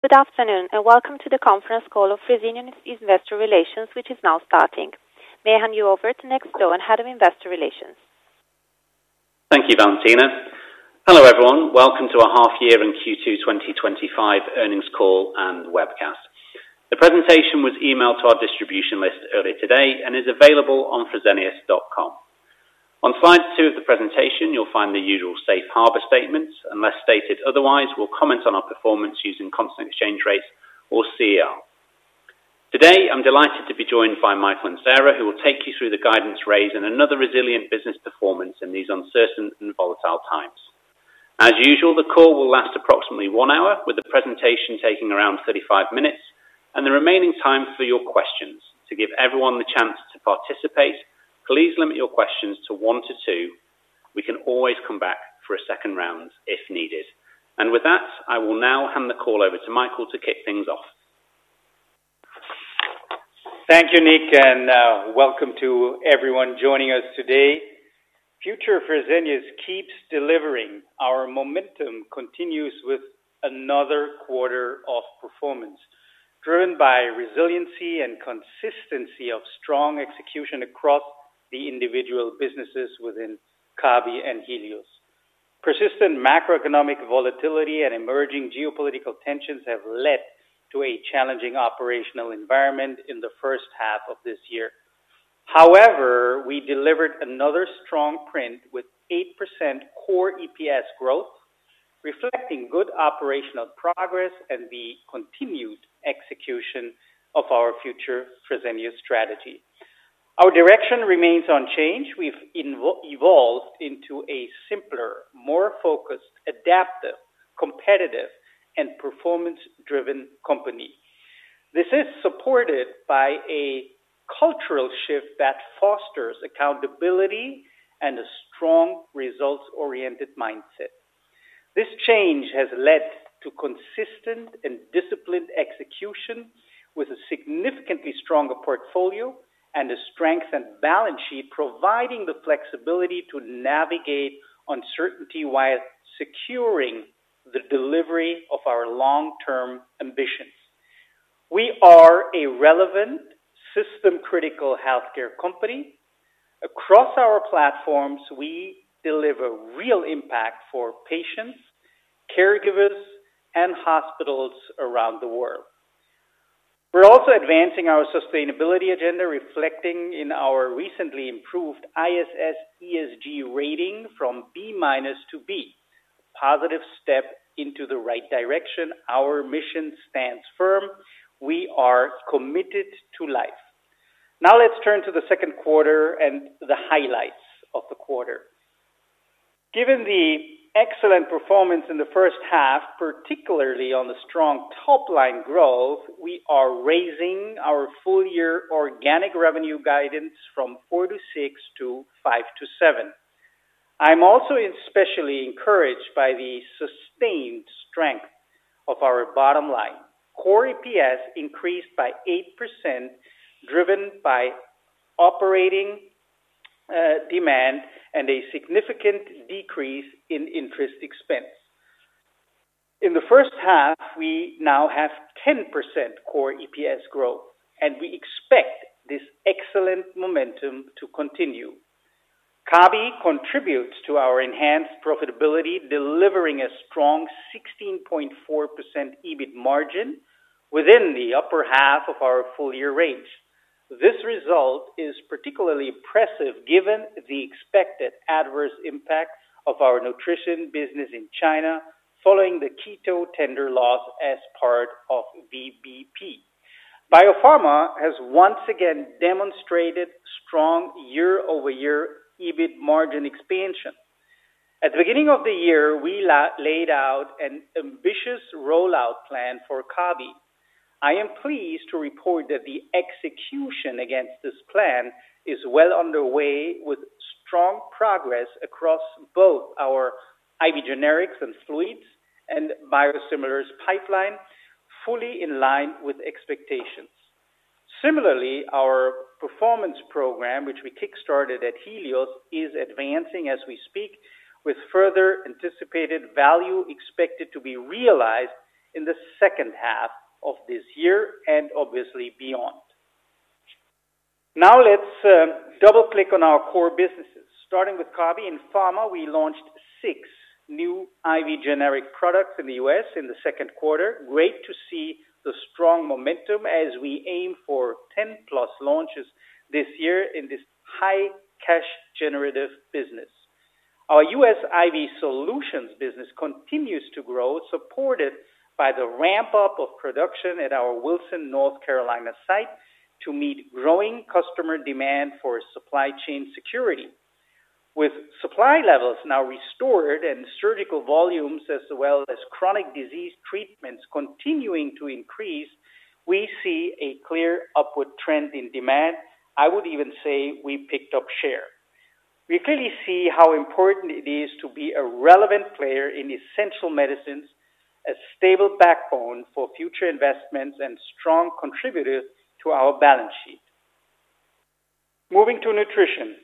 Good afternoon and welcome to the conference call of Fresenius Investor Relations, which is now starting. May I hand you over to Nick Stone, Head of Investor Relations. Thank you, Valentina. Hello, everyone. Welcome to our half year and Q2 2025 earnings call and webcast. The presentation was emailed to our distribution list earlier today and is available on fresenius.com. On slide 2 of the presentation, you'll find the usual safe harbor statements. Unless stated otherwise, we'll comment on our performance using constant exchange rates today. I'm delighted to be joined by Michael and Sara, who will take you through the guidance raise and another resilient business performance in these uncertain and volatile times. As usual, the call will last approximately one hour, with the presentation taking around 35 minutes and the remaining time for your questions. To give everyone the chance to participate, please limit your questions to 1-2. We can always come back for a second round if needed, and with that, I will now hand the call over to Michael to kick things off. Thank you, Nick, and welcome to everyone joining us today. Future Fresenius keeps delivering. Our momentum continues with another quarter of performance driven by resiliency and consistency of strong execution across the individual businesses within Fresenius Kabi and Helios. Persistent macroeconomic volatility and emerging geopolitical tensions have led to a challenging operational environment. In the first half of this year, however, we delivered another strong print with 8% core EPS growth, reflecting good operational progress and the continued execution of our Future Fresenius strategy. Our direction remains unchanged. We've evolved into a simpler, more focused, adaptive, competitive, and performance-driven company. This is supported by a cultural shift that fosters accountability and a strong results-oriented mindset. This change has led to consistent and disciplined execution with a significantly stronger portfolio and a strengthened balance sheet, providing the flexibility to navigate uncertainty while securing the delivery of our long-term ambitions. We are a relevant, system-critical healthcare company. Across our platforms, we deliver real impact for patients, caregivers, and hospitals around the world. We're also advancing our sustainability agenda, reflected in our recently improved ISS ESG rating from B minus to B, a positive step in the right direction. Our mission stands firm. We are committed to life. Now let's turn to the second quarter and the highlights of the quarter. Given the excellent performance in the first half, particularly on the strong top line growth, we are raising our full year organic revenue guidance from 4-6 to 5-7. I'm also especially encouraged by the sustained strength of our bottom line. Core EPS increased by 8% driven by operating demand and a significant decrease in interest expense in the first half. We now have 10% core EPS growth and we expect this excellent momentum to continue. Kabi contributes to our enhanced profitability, delivering a strong 16.4% EBIT margin within the upper half of our full year range. This result is particularly impressive given the expected adverse impact of our nutrition business in China following the keto tender loss. As part of VBP, BioPharma has once again demonstrated strong year over year EBIT margin expansion. At the beginning of the year we laid out an ambitious rollout plan for Kabi. I am pleased to report that the execution against this plan is well underway with strong progress across both our IV generics and fluid and biosimilars pipeline, fully in line with expectations. Similarly, our performance program which we kick started at Helios is advancing as we speak with further anticipated value expected to be realized in the second half of this year and obviously beyond. Now let's double click on our core businesses starting with Kabi and pharma. We launched six new IV generic products in the U.S. in the second quarter. Great to see the strong momentum as we aim for 10+ launches this year in this high cash generative business. Our U.S. IV solutions business continues to grow supported by the ramp up of production at our Wilson, North Carolina site to meet growing customer demand for supply chain security. With supply levels now restored and surgical volumes as well as chronic disease treatments continuing to increase, we see a clear upward trend in demand. I would even say we picked up share. We clearly see how important it is to be a relevant player in essential medicines, a stable backbone for future investments and strong contributors to our balance sheet. Moving to nutrition,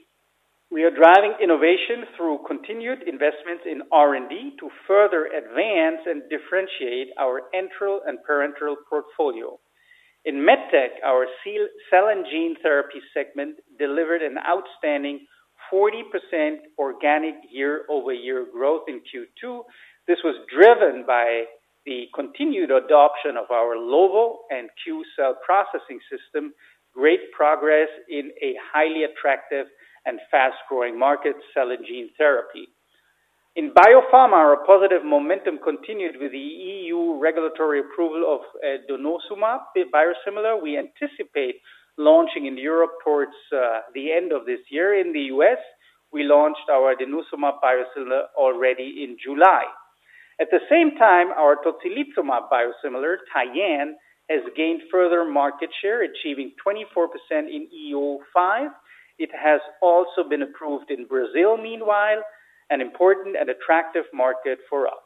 we are driving innovation through continued investments in R&D to further advance and differentiate our enteral and parenteral portfolio. In MedTech, our cell and gene therapy segment delivered an outstanding 40% organic year over year growth in Q2. This was driven by the continued adoption of our Lovo and Cue Cell processing system. Great progress in a highly attractive and fast growing market. Cell and Gene Therapy in Biopharma, our positive momentum continued with the EU regulatory approval of Denosumab. We anticipate launching in Europe towards the end of this year. In the U.S. we launched our Denosumab biosimilar already in July. At the same time, our Totilptomab biosimilar TIENNE has gained further market share, achieving 24% in EO5. It has also been approved in Brazil, meanwhile an important and attractive market for us.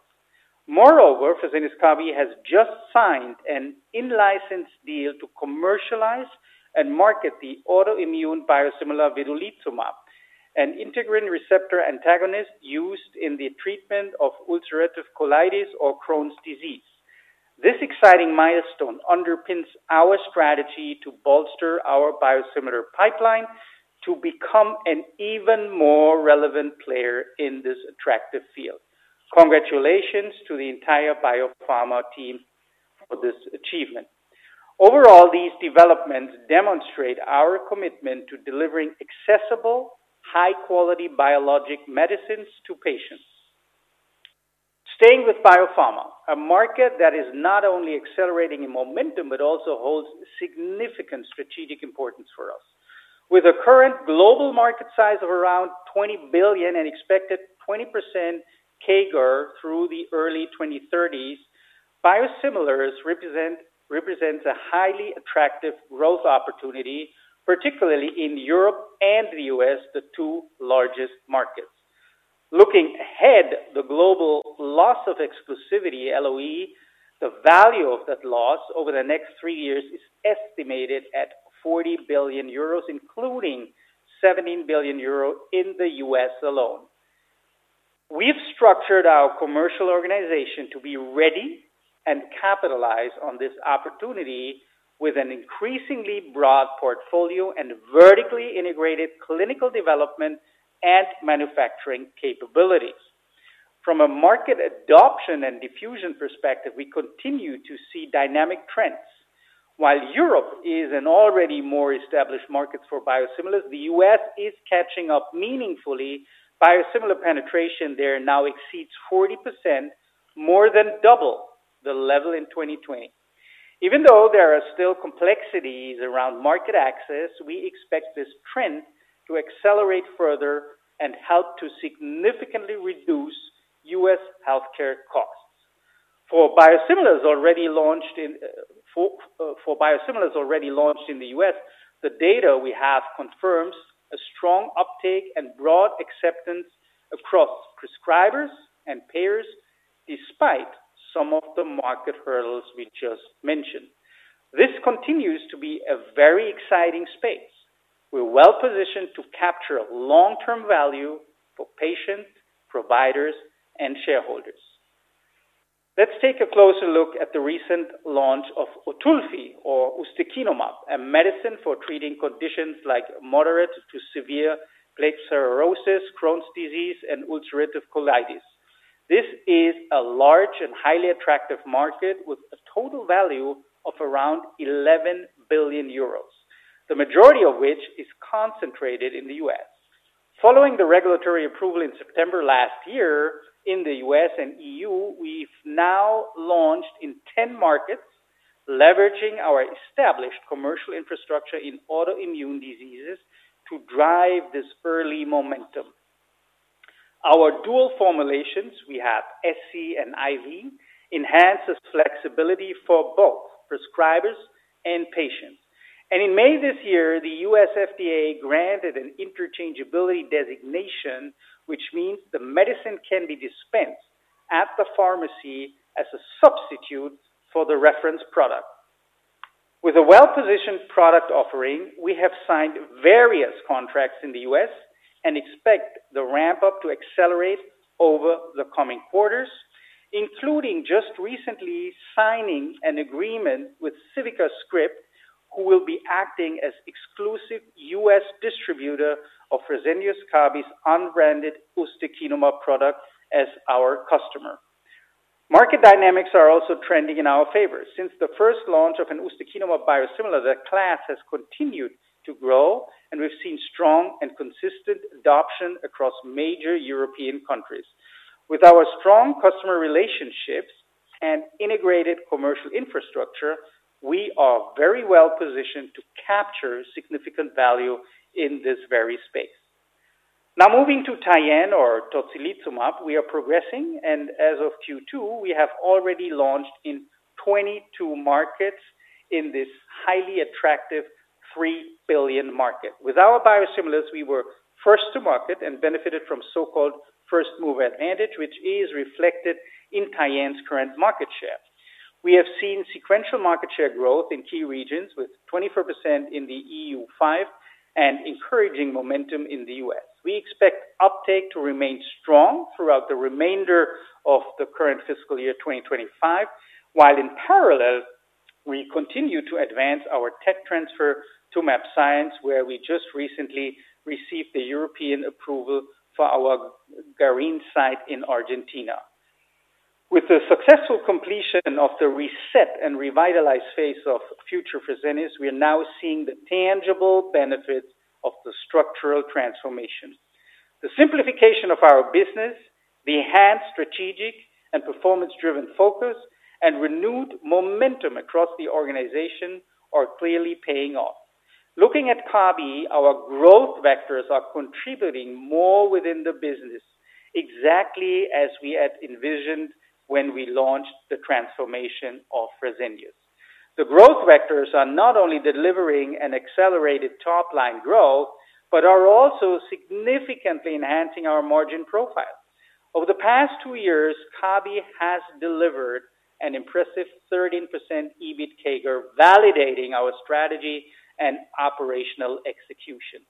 Moreover, Fresenius Kabi has just signed an in-license deal to commercialize and market the autoimmune biosimilar vedolizumab, an integrin receptor antagonist used in the treatment of ulcerative colitis or Crohn's disease. This exciting milestone underpins our strategy to bolster our biosimilar pipeline to become an even more relevant player in this attractive field. Congratulations to the entire Biopharma team for this achievement. Overall, these developments demonstrate our commitment to delivering accessible, high quality biologic medicines to patients. Staying with Biopharma, a market that is not only accelerating in momentum, but also holds significant strategic importance for us. With a current global market size of around $20 billion and expected 20% CAGR through the early 2030s, biosimilars represent a highly attractive growth opportunity, particularly in Europe and the U.S., the two largest markets. Looking ahead, the global loss of exclusivity, the value of that loss over the next three years is estimated at 40 billion euros, including 17 billion euro in the U.S. alone. We've structured our commercial organization to be ready and capitalize on this opportunity with an increasingly broad portfolio and vertically integrated clinical development and manufacturing capabilities. From a market adoption and diffusion perspective, we continue to see dynamic trends. While Europe is an already more established market for biosimilars, the U.S. is catching up meaningfully. Biosimilar penetration there now exceeds 40%, more than double the level in 2020. Even though there are still complexities around market access, we expect this trend to accelerate further and help to significantly reduce U.S. health care costs. For biosimilars already launched in the U.S., the data we have confirms a strong uptake and broad acceptance across prescribers and payers. Despite some of the market hurdles we just mentioned, this continues to be a very exciting space. We're well positioned to capture long-term value for patients, providers, and shareholders. Let's take a closer look at the recent launch of Ustekinumab, a medicine for treating conditions like moderate to severe plaque psoriasis, Crohn's disease, and ulcerative colitis. This is a large and highly attractive market with a total value of around 11 billion euros, the majority of which is concentrated in the U.S. Following the regulatory approval in September last year in the U.S. and EU, we've now launched in 10 markets, leveraging our established commercial infrastructure in autoimmune diseases to drive this early momentum. Our dual formulations, we have SC and IV, enhance flexibility for both prescribers and patients, and in May this year the U.S. FDA granted an interchangeability designation, which means the medicine can be dispensed at the pharmacy as a substitute for the reference product. With a well-positioned product offering, we have signed various contracts in the U.S. and expect the ramp-up to accelerate over the coming quarters, including just recently signing an agreement with CivicaScript, who will be acting as exclusive U.S. distributor of Fresenius Kabi's unbranded Ustekinumab product as our customer. Market dynamics are also trending in our favor. Since the first launch of a Ustekinumab biosimilar, the class has continued to grow and we've seen strong and consistent adoption across major European countries. With our strong customer relationships and integrated commercial infrastructure, we are very well positioned to capture significant value in this very space. Now moving to Tocilizumab, we are progressing and as of Q2 we have already launched in 22 markets. In this highly attractive 3 billion market with our biosimilars, we were first to market and benefited from so-called first mover advantage, which is reflected in Tocilizumab's current market share. We have seen sequential market share growth in key regions with 24% in the EU5 and encouraging momentum in the U.S. We expect uptake to remain strong throughout the remainder of the current fiscal year 2025, while in parallel we continue to advance our tech transfer to MabScience, where we just recently received the European approval for our Garín site in Argentina. With the successful completion of the reset and revitalized phase of Future Fresenius, we are now seeing the tangible benefit of the structural transformation. The simplification of our business, the enhanced strategic and performance-driven focus, and renewed momentum across the organization are clearly paying off. Looking at Kabi, our growth vectors are contributing more within the business exactly as we had envisioned when we launched the transformation of Fresenius Kabi. The growth vectors are not only delivering accelerated top line growth but are also significantly enhancing our margin profile. Over the past two years, Kabi has delivered an impressive 13% EBIT CAGR, validating our strategy and operational execution.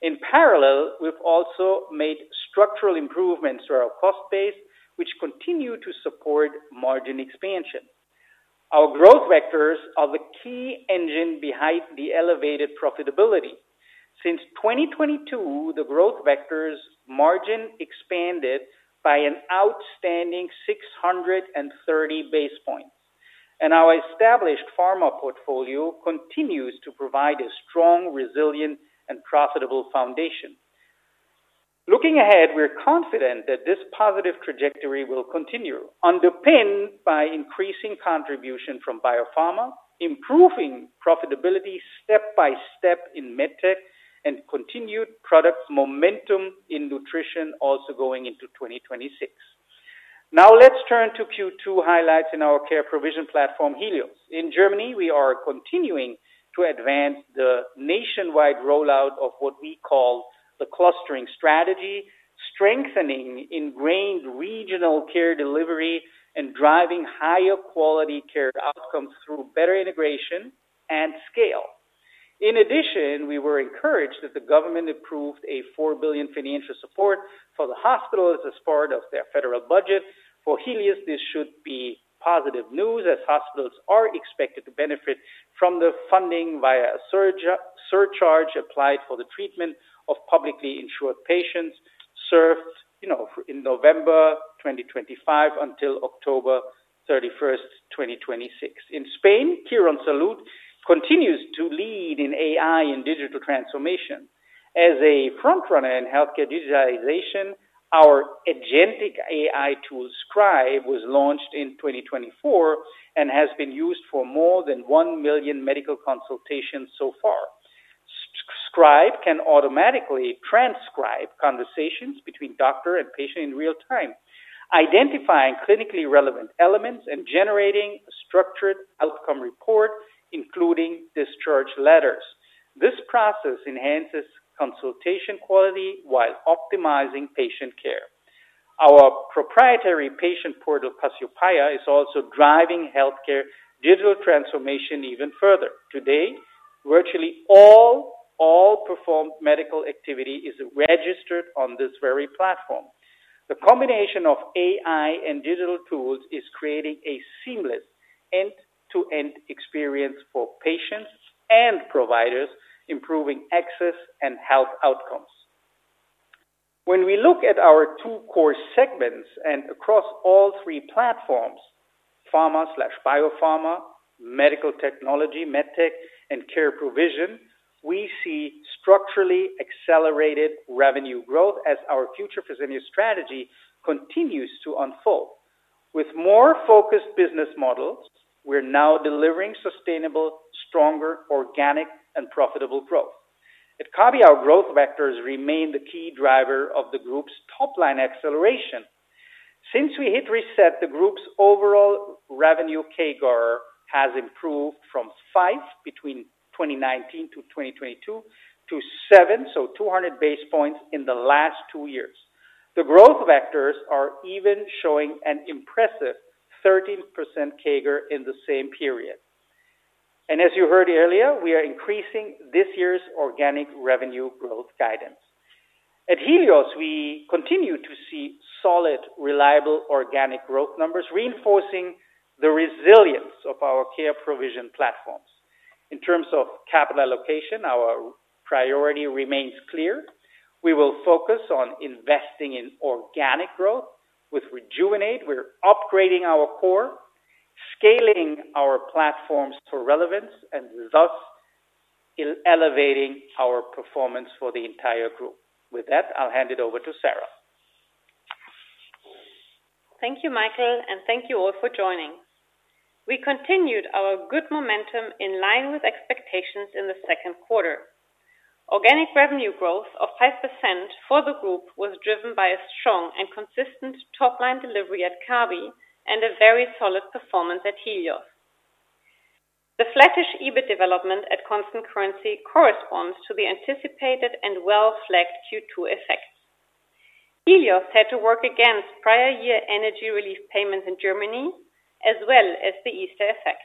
In parallel, we've also made structural improvements to our cost base, which continue to support margin expansion. Our growth vectors are the key engine behind the elevated profitability. Since 2022, the growth vectors margin expanded by an outstanding 630 basis points, and our established pharma portfolio continues to provide a strong, resilient, and profitable foundation. Looking ahead, we're confident that this positive trajectory will continue, underpinned by increasing contribution from biopharma, improving profitability step by step in MedTech, and continued product momentum in nutrition also going into 2026. Now let's turn to Q2 highlights. In our care provision platform Helios in Germany, we are continuing to advance the nationwide rollout of what we call the clustering strategy, strengthening ingrained regional care delivery and driving higher quality care outcomes through better integration and scale. In addition, we were encouraged that the government approved a 4 billion financial support for the hospitals as part of their federal budget for Helios. This should be positive news as hospitals are expected to benefit from the funding via a surcharge applied for the treatment of publicly insured patients served in November 2025 until October 31, 2026. In Spain, Quirónsalud continues to lead in AI and digital transformation as a front runner in healthcare digitization. Our agentic AI tool Scribe was launched in 2024 and has been used for more than 1 million medical consultations so far. Scribe can automatically transcribe conversations between doctor and patient in real time, identifying clinically relevant elements and generating a structured outcome report including discharge letters. This process enhances consultation quality while optimizing patient care. Our proprietary patient portal Pasiopaya is also driving healthcare digital transformation even further. Today, virtually all performed medical activity is registered on this very platform. The combination of AI and digital tools is creating a seamless end-to-end experience for patients and providers, improving access and health outcomes. When we look at our two core segments and across all three platforms—pharma, biopharma, medical technology, MedTech, and care provision—we see structurally accelerated revenue growth. As our future FYSIMIO strategy continues to unfold with more focused business models, we're now delivering sustainable, stronger organic and profitable growth. At caveat, growth vectors remain the key driver of the group's top-line acceleration. Since we hit reset, the group's overall revenue CAGR has improved from 5% between 2019 to 2022 to 7%, so 200 basis points in the last two years. The growth vectors are even showing an impressive 13% CAGR in the same period. As you heard earlier, we are increasing this year's organic revenue growth guidance. At Helios, we continue to see solid, reliable organic growth numbers, reinforcing the resilience of our care provision platforms. In terms of capital allocation, our priority remains clear. We will focus on investing in organic growth. With Rejuvenate, we're upgrading our core, scaling our platforms for relevance, and thus elevating our performance for the entire group. With that, I'll hand it over to Sara. Thank you, Michael, and thank you all for joining. We continued our good momentum in line with expectations in the second quarter. Organic revenue growth of 5% for the group was driven by a strong and consistent top line delivery at Kabi and a very solid performance at Helios. The flattish EBIT development at constant currency corresponds to the anticipated and well-flagged Q2 effect. Helios had to work against prior year energy relief payments in Germany as well as the Easter effect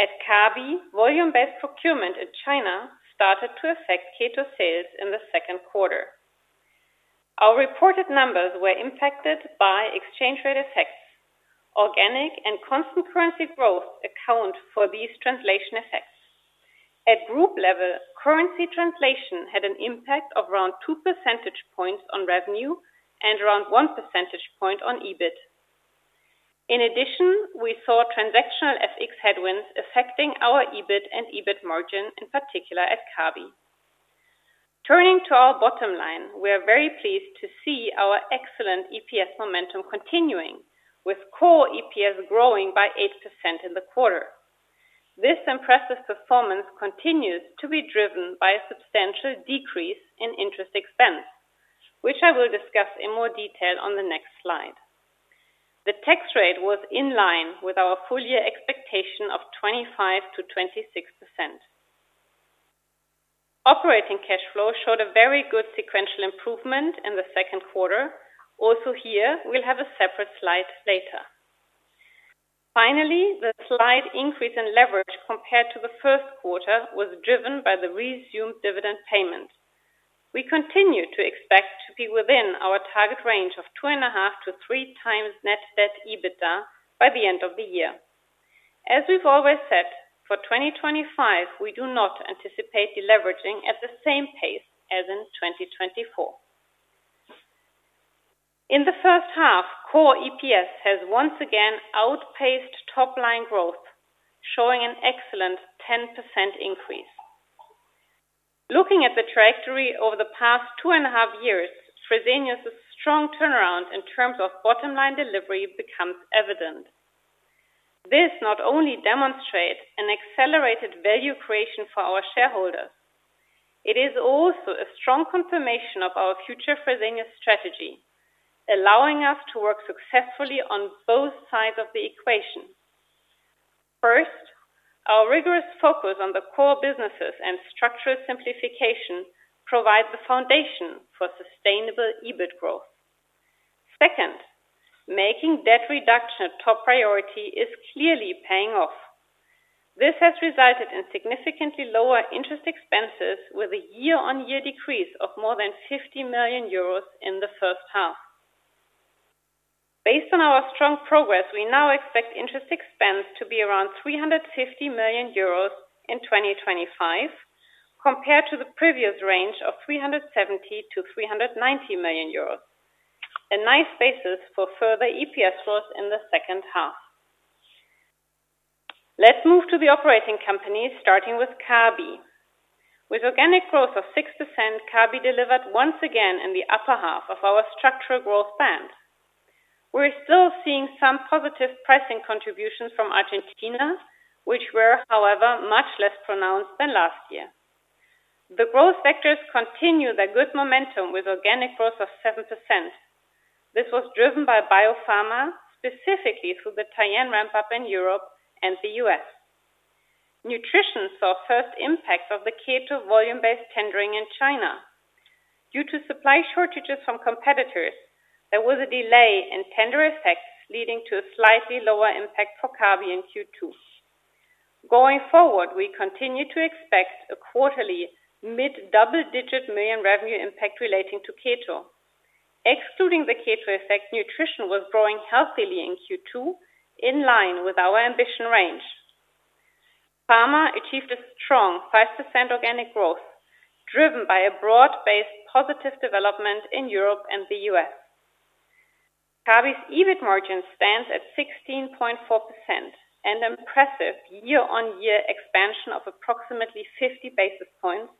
at Kabi. Volume-based procurement in China started to affect Cato sales in the second quarter. Our reported numbers were impacted by exchange rate effects. Organic and constant currency growth account for these translation effects. At group level, currency translation had an impact of around 2 percentage points on revenue and around 1 percentage point on EBIT. In addition, we saw transactional FX headwinds affecting our EBIT and EBIT margin in particular at Kabi. Turning to our bottom line, we are very pleased to see our excellent EPS momentum continuing with core EPS growing by 8% in the quarter. This impressive performance continues to be driven by a substantial decrease in interest expense, which I will discuss in more detail on the next slide. The tax rate was in line with our full year expectation of 25%-26%. Operating cash flow showed a very good sequential improvement in the second quarter. Also, here we'll have a separate slide later. Finally, the slight increase in leverage compared to the first quarter was driven by the resumed dividend payment. We continue to expect to be within our target range of 2.5-3 times net debt EBITDA by the end of the year. As we've always said, for 2025 we do not anticipate deleveraging at the same pace as in 2024. In the first half, core EPS has once again outpaced top line growth, showing an excellent 10% increase. Looking at the trajectory over the past two and a half years, Fresenius's strong turnaround in terms of bottom line delivery becomes evident. This not only demonstrates an accelerated value creation for our shareholders, it is also a strong confirmation of our future Fresenius strategy, allowing us to work successfully on both sides of the equation. First, our rigorous focus on the core businesses and structural simplification provide the foundation for sustainable EBIT growth. Second, making debt reduction a top priority is clearly paying off. This has resulted in significantly lower interest expenses with a year-on-year decrease of more than 50 million euros in the first half. Based on our strong progress, we now expect interest expense to be around 350 million euros in 2025 compared to the previous range of 370-390 million euros. A nice basis for further EPS growth in the second half. Let's move to the operating companies starting with Kabi. With organic growth of 6%, Kabi delivered once again in the upper half of our structural growth band. We're still seeing some positive pricing contributions from Argentina, which were, however, much less pronounced than last year. The growth factors continue their good momentum with organic growth of 7%. This was driven by Biopharma, specifically through the Tien ramp-up in Europe and the U.S. Nutrition saw first impacts of the K2 volume-based tendering in China. Due to supply shortages from competitors, there was a delay in tender effects, leading to a slightly lower impact for Kabi in Q2. Going forward, we continue to expect a quarterly mid double-digit million revenue impact relating to Keto. Excluding the Keto effect, nutrition was growing healthily in Q2 in line with our ambition range. Pharma achieved a strong 5% organic growth driven by a broad-based positive development in Europe and the U.S. Kabi's EBIT margin stands at 16.4%, an impressive year-on-year expansion of approximately 50 basis points.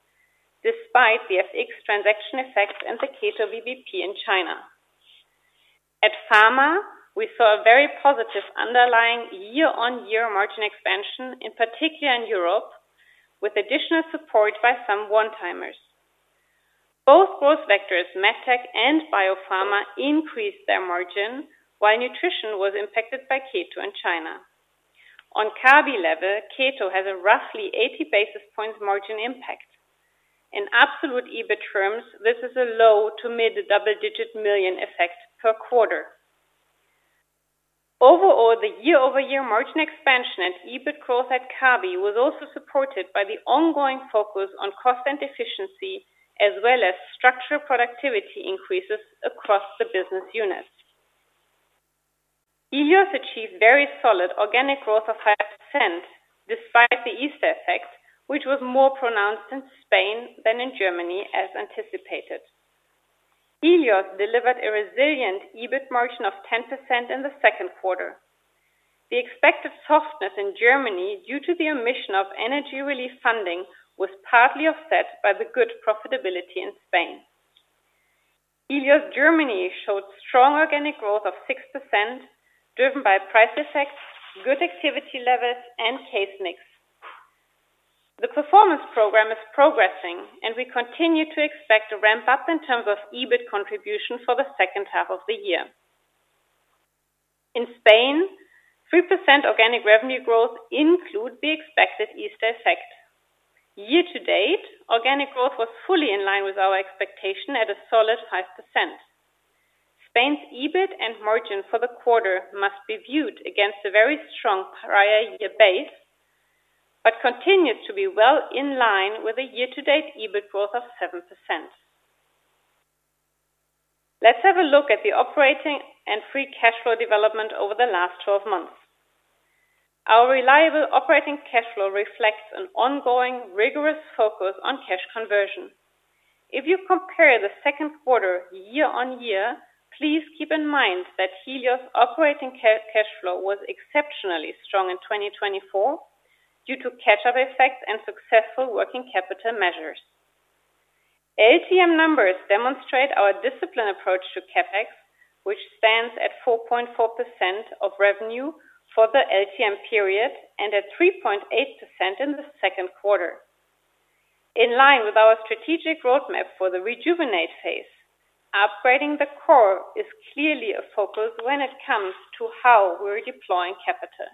Despite the FX transaction effect and the Keto VBP in China, at Pharma we saw a very positive underlying year-on-year margin expansion, in particular in Europe, with additional support by some one-timers. Both growth vectors, MedTech and Biopharma, increased their margin while nutrition was impacted by Keto and China. On Kabi level, Keto has a roughly 80 basis point margin impact. In absolute EBIT terms, this is a low to mid double-digit million effect per quarter. Overall, the year-over-year margin expansion and EBIT growth at Kabi was also supported by the ongoing focus on cost and efficiency as well as structural productivity increases across the business units. Helios achieved very solid organic growth of 5% despite the Easter effect, which was more pronounced in Spain than in Germany. As anticipated, Helios delivered a resilient EBIT margin of 10% in the second quarter. The expected softness in Germany due to the omission of energy relief funding was partly offset by the good profitability in Spain. Helios Germany showed strong organic growth of 6% driven by price effects, good activity levels, and case mix. The performance program is progressing, and we continue to expect a ramp up in terms of EBIT contribution for the second half of the year. In Spain, 3% organic revenue growth includes the expected Easter effect. Year to date, organic growth was fully in line with our expectation at a solid 5%. Spain's EBIT and margin for the quarter must be viewed against a very strong prior year base but continues to be well in line with a year to date EBIT growth of 7%. Let's have a look at the operating and free cash flow development over the last 12 months. Our reliable operating cash flow reflects an ongoing rigorous focus on cash conversion. If you compare the second quarter year on year, please keep in mind that Helios operating cash flow was exceptionally strong in 2024 due to catch up effects and successful working capital measures. LTM numbers demonstrate our disciplined approach to CapEx, which stands at 4.4% of revenue for the LTM period and at 3.8% in the second quarter in line with our strategic roadmap for the rejuvenate phase. Upgrading the core is clearly a focus when it comes to how we're deploying capital.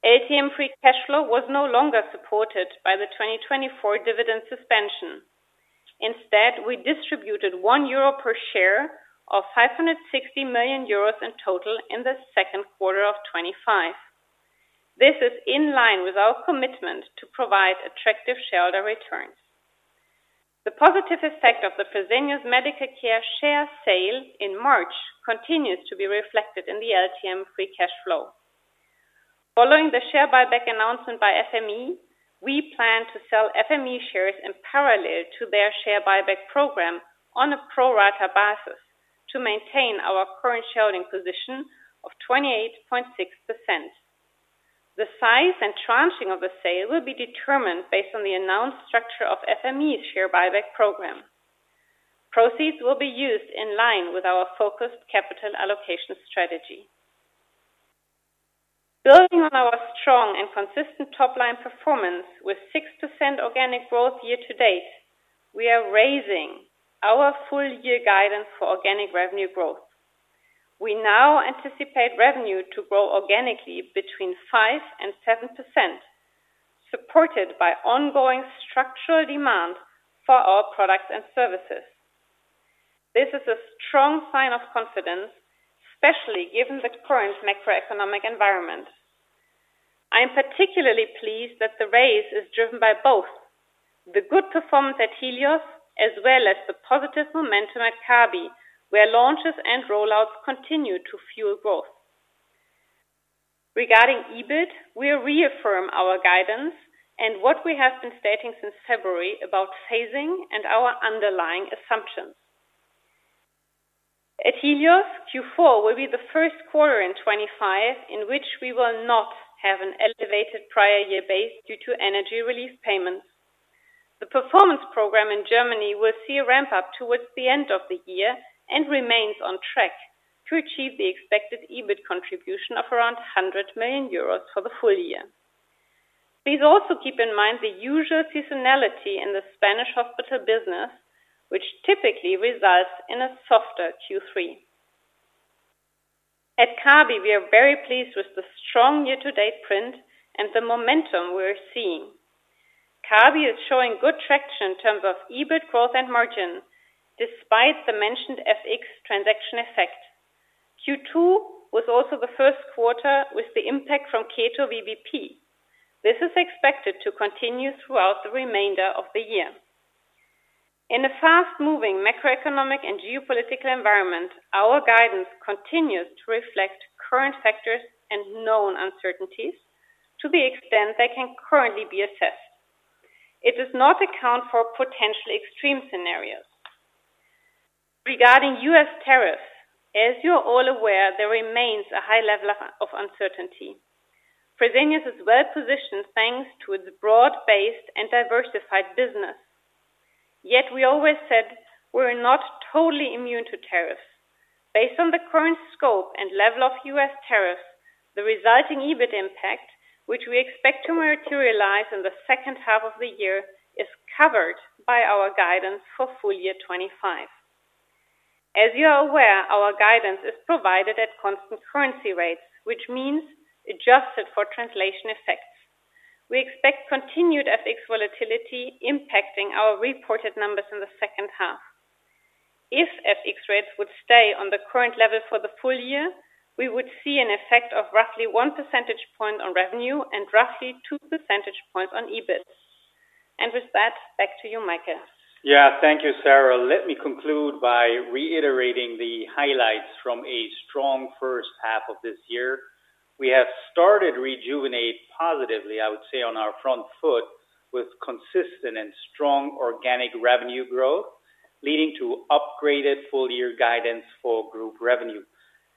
ATM free cash flow was no longer supported by the 2024 dividend suspension. Instead, we distributed 1 euro per share or 560 million euros in total in 2Q25. This is in line with our commitment to provide attractive shareholder returns. The positive effect of the Fresenius Medical Care share sale in March continues to be reflected in the LTM free cash flow. Following the share buyback announcement by Fresenius Medical Care, we plan to sell Fresenius Medical Care shares in parallel to their share buyback program on a pro rata basis to maintain our current shareholding position of 28.6%. The size and tranching of the sale will be determined based on the announced structure of Fresenius Medical Care's share buyback program. Proceeds will be used in line with our focused capital allocation strategy. Building on our strong and consistent top line performance with 6% organic growth year to date, we are raising our full year guidance for organic revenue growth. We now anticipate revenue to grow organically between 5% and 7% supported by ongoing structural demand for our products and services. This is a strong, strong sign of confidence, especially given the current macroeconomic environment. I am particularly pleased that the raise is driven by both the good performance at Helios as well as the positive momentum at Kabi where launches and rollouts continue to fuel growth. Regarding EBIT, we reaffirm our guidance and what we have been stating since February about phasing and our underlying assumptions at Helios. Q4 will be the first quarter in 2025 in which we will not have an elevated prior year base due to energy relief payments. The performance program in Germany will see a ramp up towards the end of the year and remains on track to achieve the expected EBIT contribution of around 100 million euros for the full year. Please also keep in mind the usual seasonality in the Spanish hospital business which typically results in a softer Q3 at Kabi. We are very pleased with the strong year-to-date print and the momentum we're seeing. Kabi is showing good traction in terms of EBITDA growth and margin despite the mentioned FX transaction effect. Q2 was also the first quarter with the impact from Cato VBP. This is expected to continue throughout the remainder of the year in a fast-moving macroeconomic and geopolitical environment. Our guidance continues to reflect current factors and known uncertainties to the extent they can currently be assessed. It does not account for potentially extreme scenarios regarding U.S. tariffs. As you are all aware, there remains a high level of uncertainty. Fresenius is well positioned thanks to its broad-based and diversified business. Yet we always said we are not totally immune to tariffs based on the current scope and level of U.S. tariffs. The resulting EBIT impact which we expect to materialize in the second half of the year is covered by our guidance for FY 2025. As you are aware, our guidance is provided at constant currency rates which means adjusted for translation effects, we expect continued FX volatility impacting our reported numbers in the second half. If FX rates would stay on the current level for the full year, we would see an effect of roughly 1% on revenue and roughly 2% on EBIT. With that, back to you, Michael. Thank you, Sara. Let me conclude by reiterating the highlights from a strong first half of this year. We have started rejuvenate positively, I would say, on our front foot with consistent and strong organic revenue growth leading to upgraded full year guidance for group revenue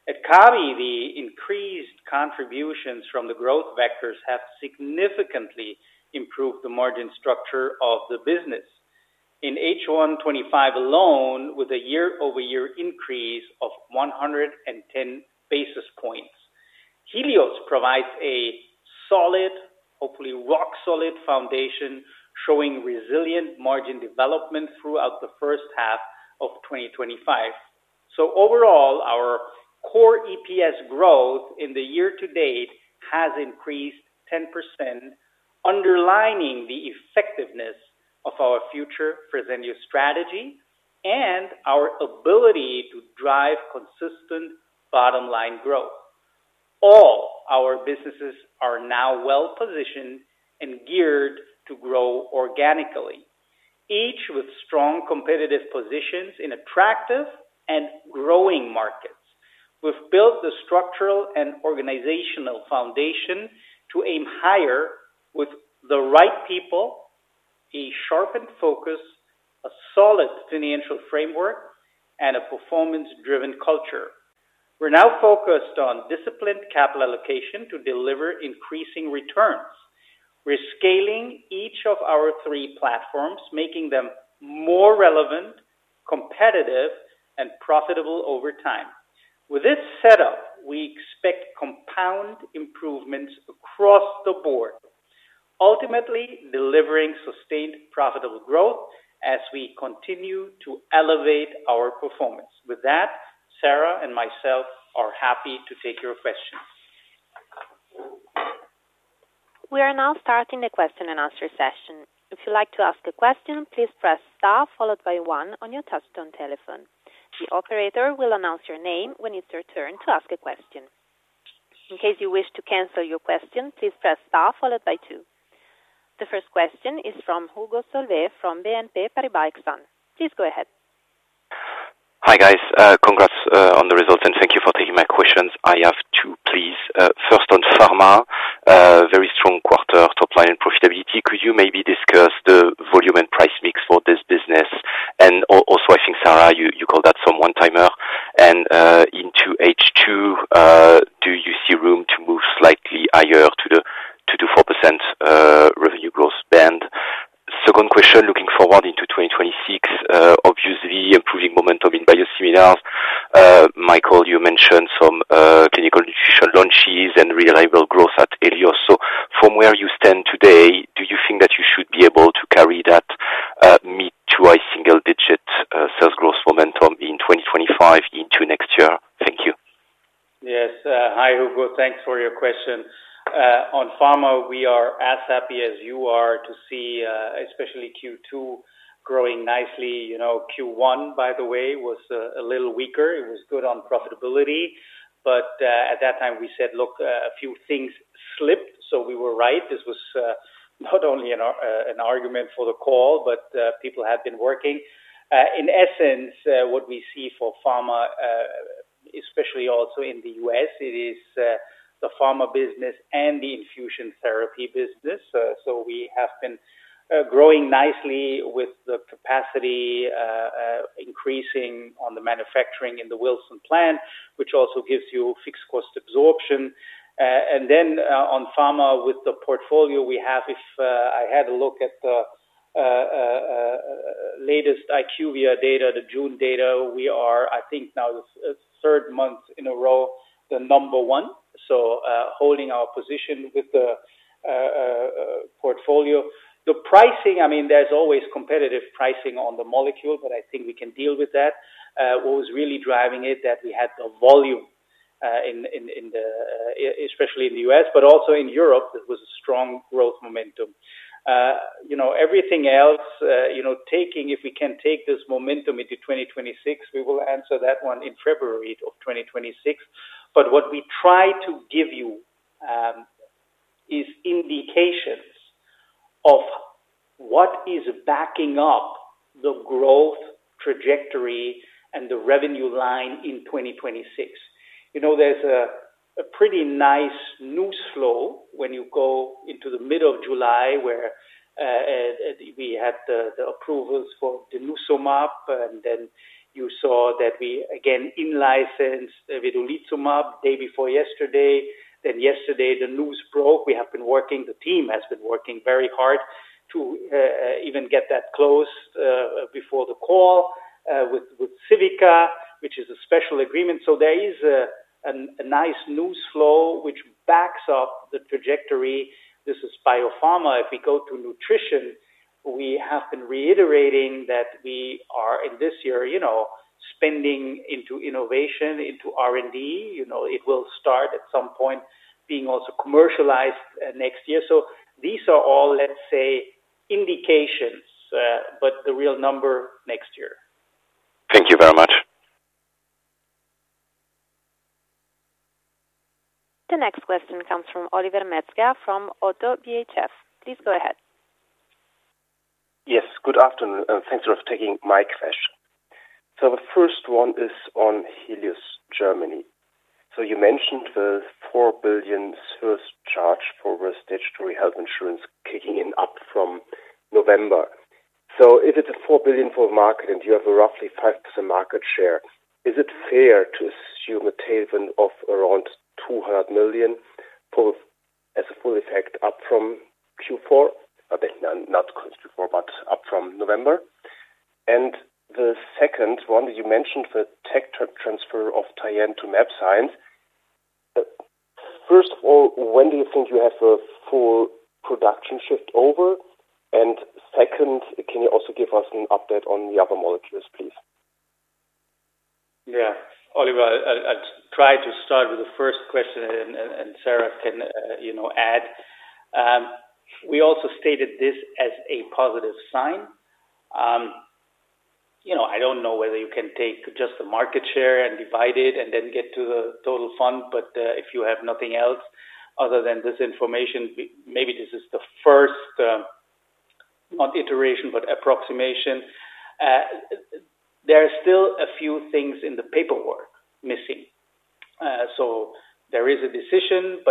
at Kabi. The increased contributions from the growth vectors have significantly improved the margin structure of the business in H1 2025 alone with a year over year increase of 110 basis points. Helios provides a solid, hopefully rock solid, foundation showing resilient margin development throughout the first half of 2025. Overall, our core EPS growth in the year to date has increased 10%, underlining the effectiveness of our future Fresenius strategy and our ability to drive consistent bottom line growth. All our businesses are now well positioned and geared to grow organically, each with strong competitive positions in attractive and growing markets. We've built the structural and organizational foundation to aim higher with the right people, a sharpened focus, a solid financial framework, and a performance driven culture. We're now focused on disciplined capital allocation to deliver increasing returns. We're scaling each of our three platforms, making them more relevant, competitive, and profitable over time. With this setup, we expect compound improvements across the board, ultimately delivering sustained profitable growth as we continue to elevate our performance. With that, Sara and myself are happy to take your questions. We are now starting a question-and-answer session. If you would like to ask a question, please press star followed by one on your touch-tone telephone. The operator will announce your name when it's your turn to ask a question. In case you wish to cancel your question, please press star followed by two. The first question is from Hugo Solvet from Exane BNP Paribas. Please go ahead. Hi guys. Congrats on the results and thank you for taking my questions. I have two, please. First on pharma, very strong quarter top line and profitability. Could you maybe discuss the volume and price mix for this business? Also, I think Sara, you called out some one-timer and into H2, do you see room to move slightly higher to the 2%-4% revenue growth band? Second question. Looking forward into 2026, obviously improving momentum in biosimilars. Michael, you mentioned some clinical launches and reliable growth at Helios. From where you stand today, do you think that you should be able to carry that mid to high single-digit sales growth momentum in 2025 into next year? Thank you. Yes. Hi Hugo, thanks for your question. On pharma, we are as happy as you are to see especially Q2 growing nicely. You know, Q1, by the way, was a little weaker. It was good on profitability. At that time we said, look, a few things slipped. We were right. This was not only an argument for the call, but people have been working. In essence, what we see for pharma, especially also in the U.S., it is the pharma business and the infusion therapy business. We have been growing nicely with the capacity increasing on the manufacturing in the Wilson, North Carolina plant, which also gives you fixed cost absorption. On pharma with the portfolio we have, if I had a look at latest IQVIA data, the June data, we are, I think, now the third month in a row, the number one, so holding our position with the portfolio. The pricing, I mean there's always competitive pricing on the molecule, but I think we can deal with that. What was really driving it was that we had the volume, especially in the U.S. but also in Europe. It was strong growth momentum. Everything else, taking if we can take this momentum into 2026, we will answer that one in February of 2026. What we try to give you is indications of what is backing up the growth trajectory and the revenue line in 2026. There is a pretty nice news flow when you go into the middle of July where we had the approvals for denosumab and then you saw that we again in-licensed vedolizumab day before yesterday. Yesterday the news broke. We have been working, the team has been working very hard to even get that close before the call with CivicaScript, which is a special agreement. There is a nice news flow which backs up the trajectory. This is Biopharma. If we go to nutrition, we have been reiterating that we are in this year spending into innovation, into R&D. It will start at some point being also commercialized next year. These are all, let's say, indications, but the real number next year. Thank you very much. The next question comes from Oliver Metzger from ODDO BHF, please go ahead. Yes, good afternoon and thanks for taking my question. The first one is on Helios Germany. You mentioned the 4 billion surcharge for statutory health insurance kicking in from November. If it's a 4 billion full market and you have a roughly 5% market share, is it fair to assume a tailwind of around 200 million as a full effect from November? The second one, you mentioned the tech transfer of Tienne to map science. First of all, when do you think you have a full production shift over? Second, can you also give us an update on the other molecules please? Yeah, Oliver, I'll try to start with the first question. Sara, can you add? We also stated this as a positive sign. I don't know whether you can take just the market share and divide it and then get to the total fund. If you have nothing else other than this information, maybe this is the first approximation. There are still a few things in the paperwork missing. There is a decision.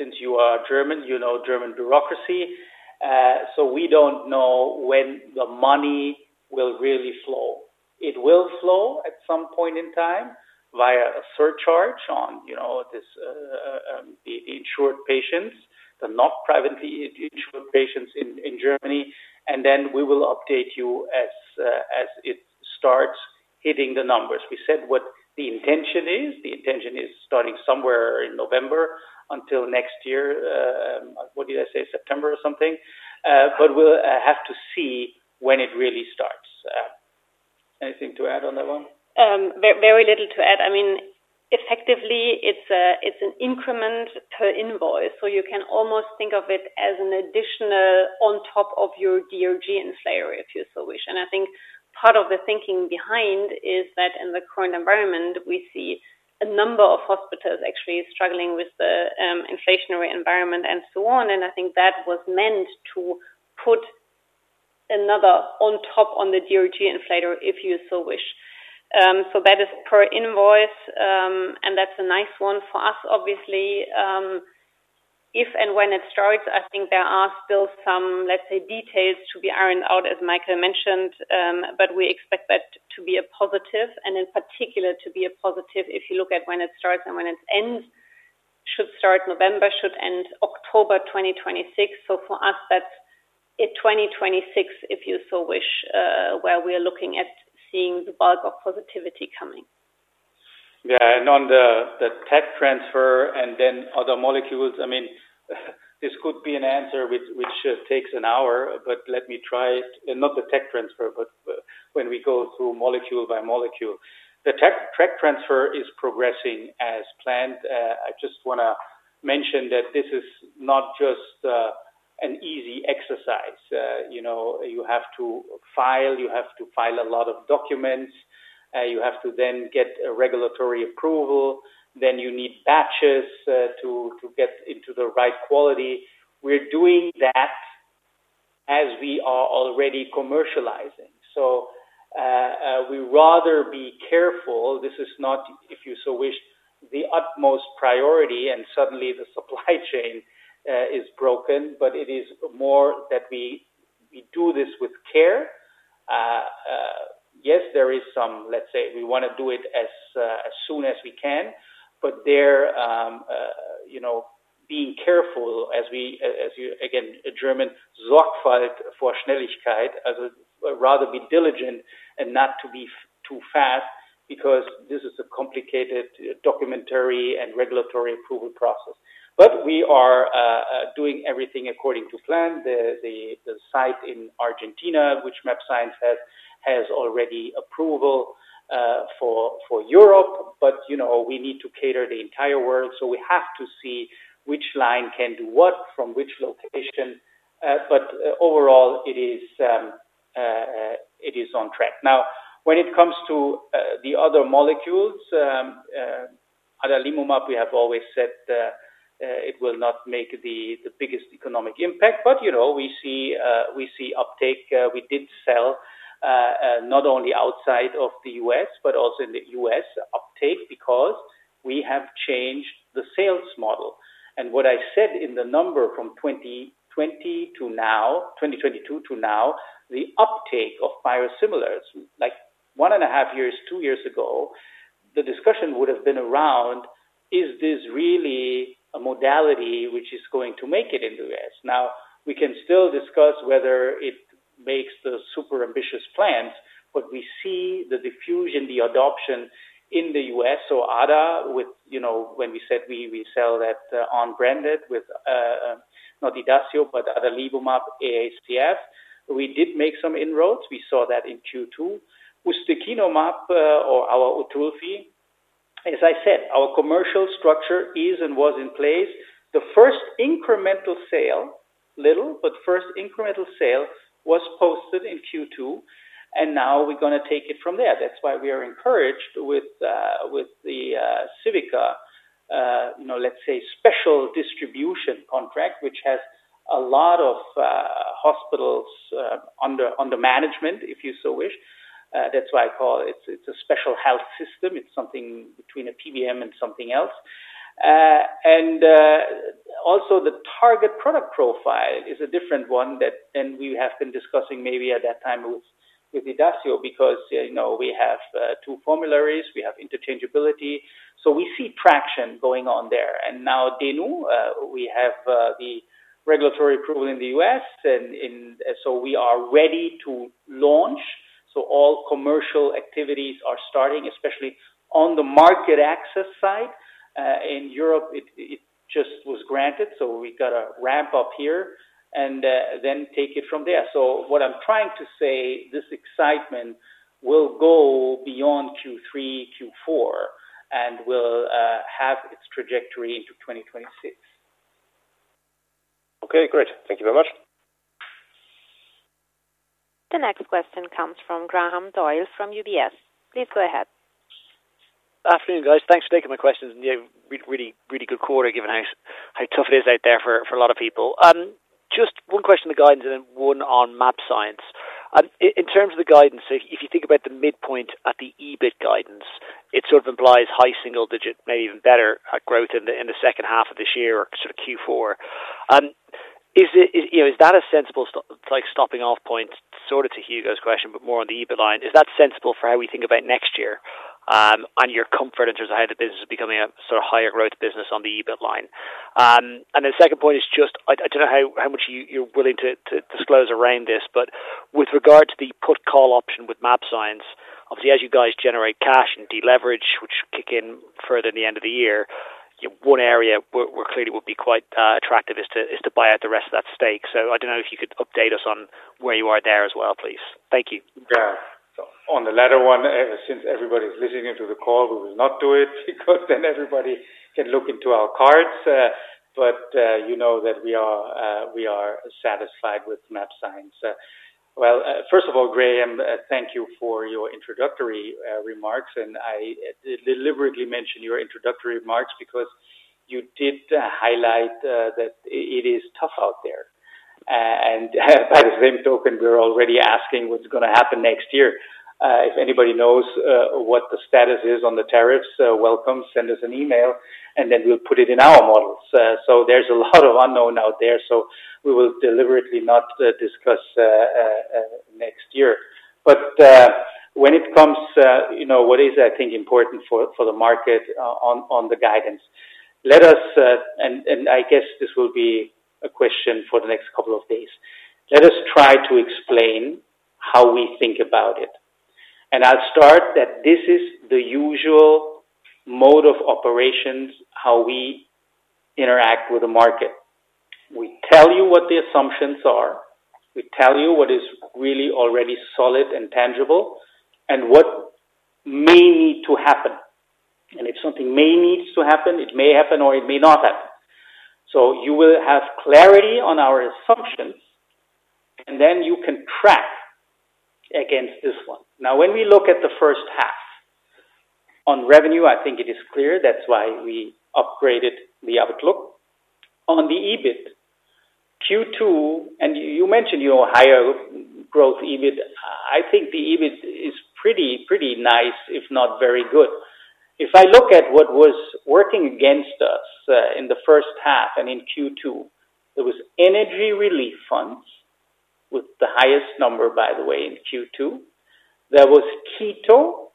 Since you are German, you know German bureaucracy, so we don't know when the money will really flow. It will flow at some point in time via a surcharge on the insured patients, the not privately insured patients in Germany. We will update you as it starts hitting the numbers. We said what the intention is. The intention is starting somewhere in November until next year. What did I say? September or something? We'll have to see when it really starts. Anything to add on that one? Very little to add. I mean, effectively it's an increment per invoice. You can almost think of it as an additional on top of your DRG inflator if you so wish. I think part of the thinking behind it is that in the current environment, we see a number of hospitals actually struggling with the inflationary environment and so on. I think that was meant to put another on top of the DRG inflator, if you so wish. That is per invoice, and that's a nice one for us, obviously, if and when it starts. I think there are still some, let's say, details to be ironed out, as Michael mentioned. We expect that to be a positive, and in particular to be a positive if you look at when it starts and when it ends. It should start November, should end October 2026. For us, that's in 2026, if you so wish, where we are looking at seeing the bulk of positivity coming. Yeah. On the tech transfer and then other molecules, this could be an answer which takes an hour. Let me try it. Not the tech transfer, but when we go through molecule by molecule, the tech transfer is progressing as planned. I just want to mention that this is not just an easy exercise. You have to file a lot of documents. You have to then get a regulatory approval. Then you need batches to get into the right quality. We're doing that as we are already commercializing. We rather be careful. This is not, if you so wish, the utmost priority, and suddenly the supply chain is broken. It is more that we do this with care. Yes, there is some, let's say, we want to do it as soon as we can, but there, you know, being careful as we, as you, again a German, for Schnelligkeit, as rather be diligent and not to be too fast. This is a complicated documentary and regulatory approval process. We are doing everything according to plan. The site in Argentina, which Map Science has already approval for Europe, but we need to cater the entire world. We have to see which line can do what from which location. Overall, it is on track. Now, when it comes to the other molecules, adalimumab, we have always said it will not make the biggest economic impact. We see uptake. We did sell not only outside of the U.S. but also in the U.S. Uptake because we have changed the sales model, and what I said in the number from 2020 to now, 2022 to now, the uptake of biosimilars, like one and a half years, two years ago, the discussion would have been around, is this really a modality which is going to make it in the U.S.? Now we can still discuss whether it makes the super ambitious plans, but we see the diffusion, the adoption in the U.S. ADA, when we said we sell that unbranded, with not Idacio but adalimumab Ahpf, we did make some inroads. We saw that in Q2 with the Kinomap or our Utulfi. As I said, our commercial structure is and was in place. The first incremental sale, little but first incremental sale, was posted in Q2, and now we are going to take it from there. That is why we are encouraged with the CivicaScript, let's say, special distribution contract, which has a lot of hospitals under management, if you so wish. That is why I call it a special health system. It is something between a PBM and something else. The target product profile is a different one than we have been discussing, maybe at that time with Edacio, because we have two formularies, we have interchangeability, so we see traction going on there. Now, Denosumab biosimilar, we have the regulatory approval in the U.S., and we are ready to launch. All commercial activities are starting, especially on the market access side. In Europe, it just was granted. We've got a ramp up here and then take it from there. What I'm trying to say is this excitement will go beyond Q3, Q4, and will have its trajectory into 2026. Okay, great. Thank you very much. The next question comes from Graham Doyle from UBS. Please go ahead. Afternoon guys. Thanks for taking my questions. Really good quarter given how tough it is out there for a lot of people. Just one question, the guidance and one on map science. In terms of the guidance, if you think about the midpoint at the EBIT guidance, it sort of implies high single digit, maybe even better growth in the second half of this year or sort of Q4. Is that a sensible stopping off point? Sort of to Hugo's question but more on the EBIT line. Is that sensible for how we think about next year and your comfort in terms of how the business becomes a higher growth business on the EBIT line? The second point is just I don't know how much you're willing to disclose around this but with regard to the put call option with map science, obviously as you guys generate cash and deleverage which kick in further in the end of the year, one area where clearly would be quite attractive is to buy out the rest of that stake. I don't know if you could update us on where you are there as well, please. Thank you. On the latter one, since everybody's listening to the call, we will not do it because then everybody can look into our cards. You know that we are satisfied with map science. First of all, Graham, thank you for your introductory remarks and I deliberately mention your introductory remarks because you did highlight that it is tough out there. By the same token, we're already asking what's going to happen next year. If anybody knows what the status is on the tariffs, welcome, send us an email and then we'll put it in our models. There's a lot of unknown out there. We will deliberately not discuss next year. When it comes, you know what is I think important for the market on the guidance, let us, and I guess this will be a question for the next couple of days, let us try to explain how we think about it. I'll start that this is the usual mode of operations, how we interact with the market. We tell you what the assumptions are, we tell you what is really already solid and tangible and what may need to happen. If something may need to happen, it may happen or it may not happen. You will have clarity on our assumptions and then you can track against this one. Now when we look at the first half on revenue, I think it is clear that's why we upgraded the outlook on the EBIT Q2 and you mentioned your higher growth EBIT. I think the EBIT is pretty, pretty nice if not very good. If I look at what was working against us in the first half and in Q2, there was energy relief funds with the highest number, by the way. In Q2, there was keto,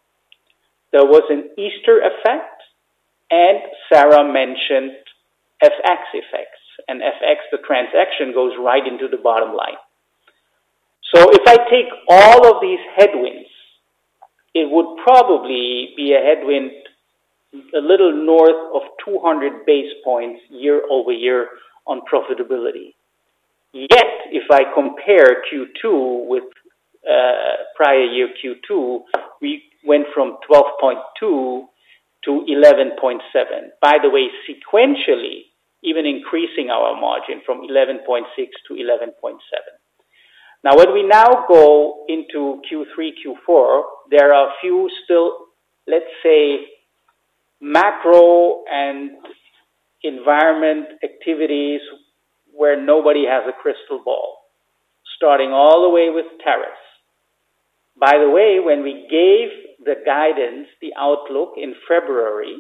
there was an Easter effect, and Sara mentioned FX effects and FX. The transaction goes right into the bottom line. If I take all of these headwinds, it would probably be a headwind a little north of 200 basis points year over year on profitability. Yet if I compare Q2 with prior year Q2, we went from 12.2 to 11.7. By the way, sequentially even increasing our margin from 11.6 to 11.7. Now, when we now go into Q3, Q4, there are few still, let's say, macro and environment activities where nobody has a crystal ball, starting all the way with tariffs. By the way, when we gave the guidance, the outlook in February,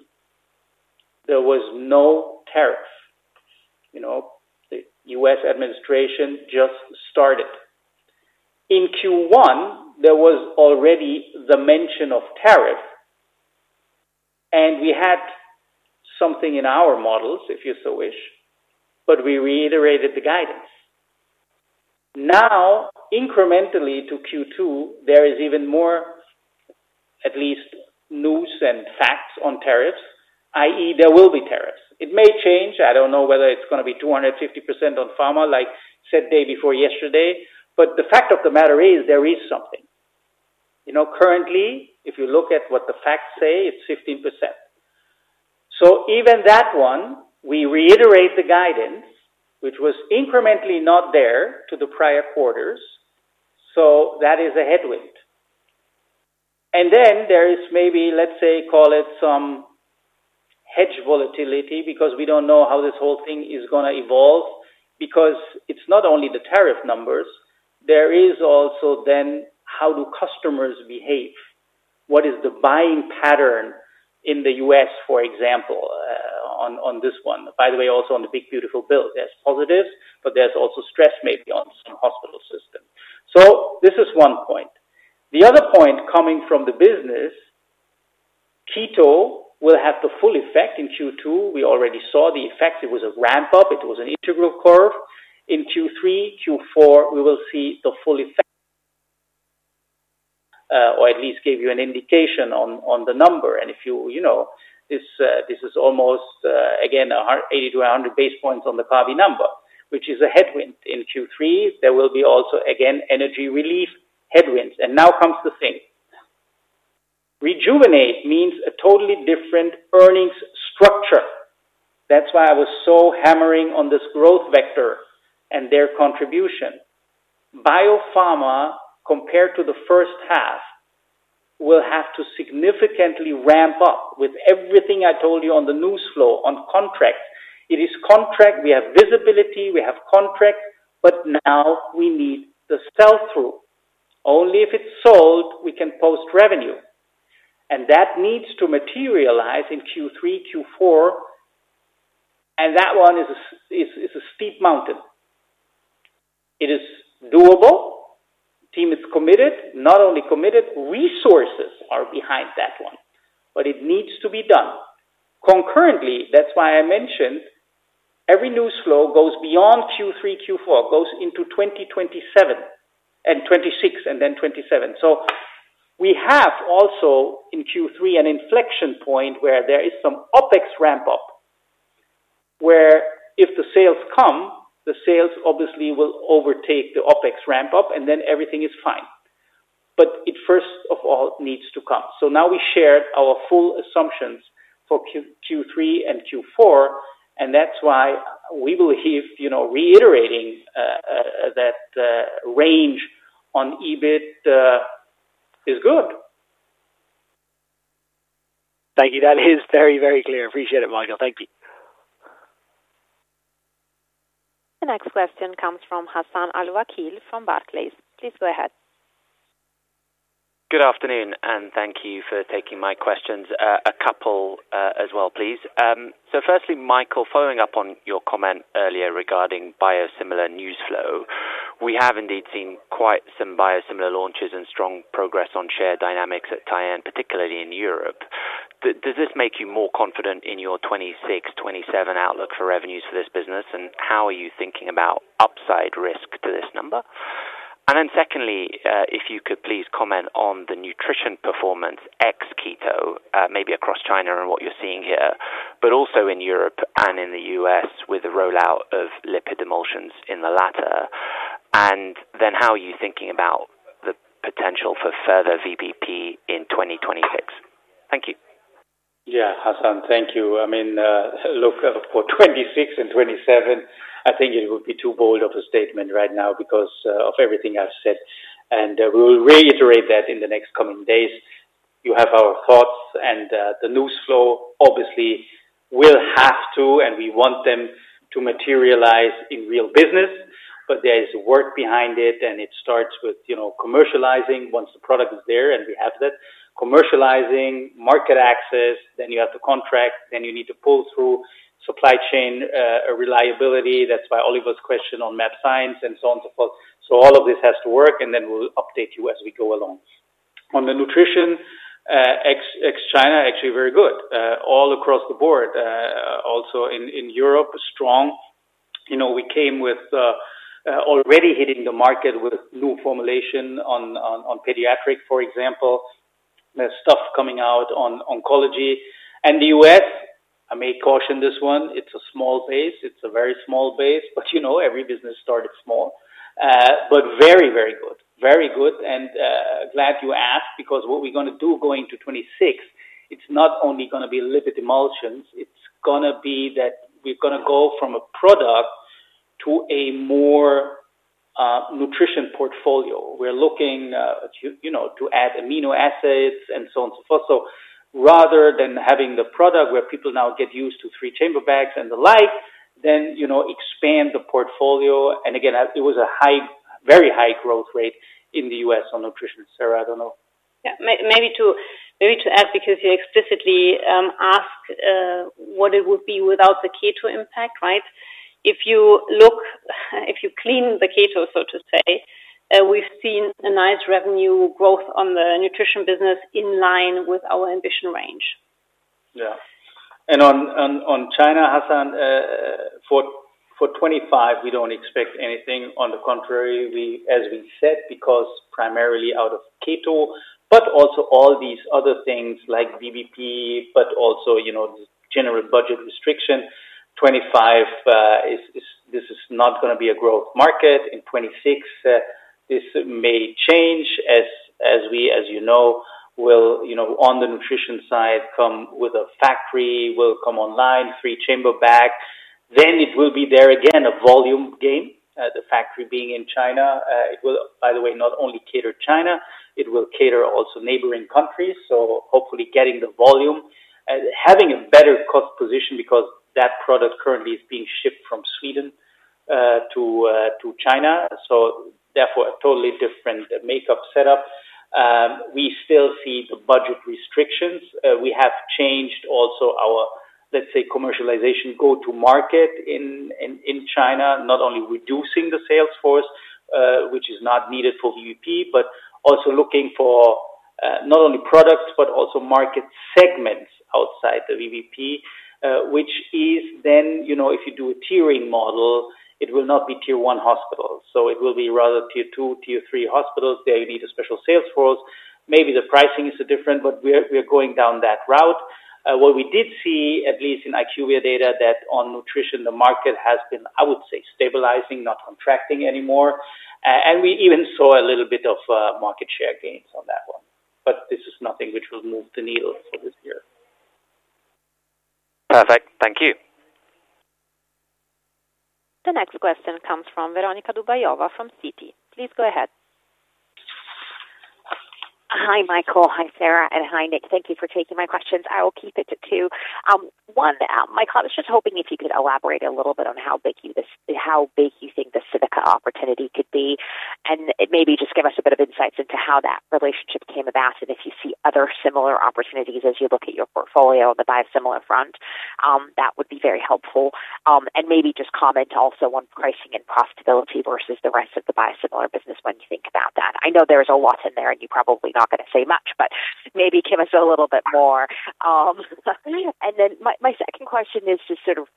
there was no tariff. You know, the U.S. administration just started. In Q1, there was already the mention of tariff, and we had something in our models if you so wish. We reiterated the guidance. Now incrementally to Q2, there is even more, at least news and facts on tariffs that is, there will be tariffs, it may change. I don't know whether it's going to be 250% on pharma like said day before yesterday. The fact of the matter is there is something, you know, currently if you look at what the facts say, it's 15%. Even that one, we reiterate the guidance, which was incrementally not there to the prior quarters. That is a headwind. There is maybe, let's say, call it some hedge volatility because we don't know how this whole thing is going to evolve because it's not only the tariff numbers. There is also then how do customers behave? What is the buying pattern in the U.S., for example, on this one? By the way, also on the big beautiful bill, there's positives, but there's also stress maybe on some hospital system. This is one point. The other point coming from the business, keto will have the full effect. In Q2, we already saw the effects. It was a ramp up, it was an integral curve. In Q3, Q4, we will see the full effect or at least gave you an indication on the number. If you, you know, this is almost again 80-100 basis points on the P&L number, which is a headwind. In Q3, there will be also again energy relief headwinds. Now comes the thing, rejuvenate means a totally different earnings structure. That's why I was so hammering on this growth vector and their contribution. Biopharma compared to the first half will have to significantly ramp up with everything I told you on the news flow. On contracts, it is contract, we have visibility, we have contract. Now we need the sell through. Only if it's sold, we can post revenue, and that needs to materialize in Q3, Q4, and that one is a steep mountain. It is doable, team is committed. Not only committed, resources are behind that one, but it needs to be done concurrently. That's why I mentioned every news flow goes beyond Q3. Q4 goes into 2027 and 2026 and then 2027. We have also in Q3 an inflection point where there is some OpEx ramp up. If the sales come, the sales obviously will overtake the OpEx ramp up and then everything is fine. It first of all needs to come. Now we shared our full assumptions for Q3 and Q4, and that's why we believe reiterating that range on EBIT is good. Thank you. That is very, very clear. Appreciate it, Michael. Thank you. The next question comes from Hassan Al-Wakeel from Barclays. Please go ahead. Good afternoon and thank you for taking my questions. A couple as well, please. Firstly, Michael, following up on your comment earlier regarding biosimilar news flow, we have indeed seen quite some biosimilar launches and strong progress on share dynamics at Tienne, particularly in Europe. Does this make you more confident in your 2026, 2027 outlook for revenues for this business and how are you thinking about upside risk to this number? Secondly, if you could please comment on the nutrition performance ex keto maybe across China and what you're seeing here, but also in Europe and in the U.S. with the rollout of lipid emulsions in the latter. How are you thinking about the potential for further VBP in 2026? Thank you. Yeah, Hassan, thank you. For 2026 and 2027, I think it would be too bold of a statement right now of everything I've said. We will reiterate that in the next coming days. You have our thoughts and the news flow obviously will have to and we want them to materialize in real business. There is work behind it and it starts with commercializing. Once the product is there and we have that commercializing market access, then you have to contract, then you need to pull through supply chain reliability. That's why Oliver's question on map science and so on and so forth. All of this has to work. We will update you as we go along. On the nutrition ex China, actually very good all across the board. Also in Europe, strong. We came with already hitting the market with new formulation on pediatric, for example. There's stuff coming out on oncology and the U.S. I may caution this one, it's a small base. It's a very small base. Every business starts small. Very, very good, very good and glad you asked because what we're going to do going to 2026, it's not only going to be lipid emulsions, it's going to be that we're going to go from a product to a more nutrition portfolio. We're looking to add amino acids and so on and so forth. Rather than having the product where people now get used to three chamber bags and the like, then expand the portfolio and again, it was a very high growth rate in the U.S. on nutrition. Sara, I don't know, maybe to add because you explicitly ask what it would be without the keto impact. Right. If you look, if you clean the keto, so to say, we've seen a nice revenue growth on the nutrition business in line with our ambition range. Yeah. On China, Hassan, for 2025 we don't expect anything on the contrary, as we said, because primarily out of keto, but also all these other things like VBP. Also, you know, the general budget restriction. 2025 is not going to be a growth market. In 2026 this may change as, as you know, on the nutrition side, we will come with a factory, will come online, three chamber bag, then it will be there again a volume game. The factory being in China, it will, by the way, not only cater China, it will cater also neighboring countries. Hopefully getting the volume, having a better cost position because that product currently is being shipped from Sweden to China. Therefore, a totally different makeup setup. We still see the budget restrictions. We have changed also our, let's say, commercialization go to market in China, not only reducing the sales force, which is not needed for VBP, but also looking for not only products but also market segments outside the VBP, which is then, if you do a tiering model, it will not be tier one hospitals, so it will be rather tier two, tier three hospitals. There you need a special sales force. Maybe the pricing is different, but we are going down that route. What we did see, at least in IQVIA data, is that on nutrition the market has been, I would say, stabilizing, not contracting anymore. We even saw a little bit of market share gains on that one. This is nothing which will move the needle for this year. Perfect, thank you. The next question comes from Veronika Dubajova from Citi. Please go ahead. Hi, Michael. Hi, Sara. And hi, Nick. Thank you for taking my questions. I will keep it to two. One Michael, I was just hoping if you could elaborate a little bit on how big you think the CivicaScript opportunity could be and maybe just give us a bit of insights into how that relationship came about. If you see other similar opportunities. As you look at your portfolio, the. Biosimilar front, that would be very helpful. Helpful. Maybe just comment also on pricing and profitability versus the rest of the biosimilars business. When you think about that, I know there's a lot in there and you're probably not going to say much, but maybe Kim has a little bit more. My second question is just sort of,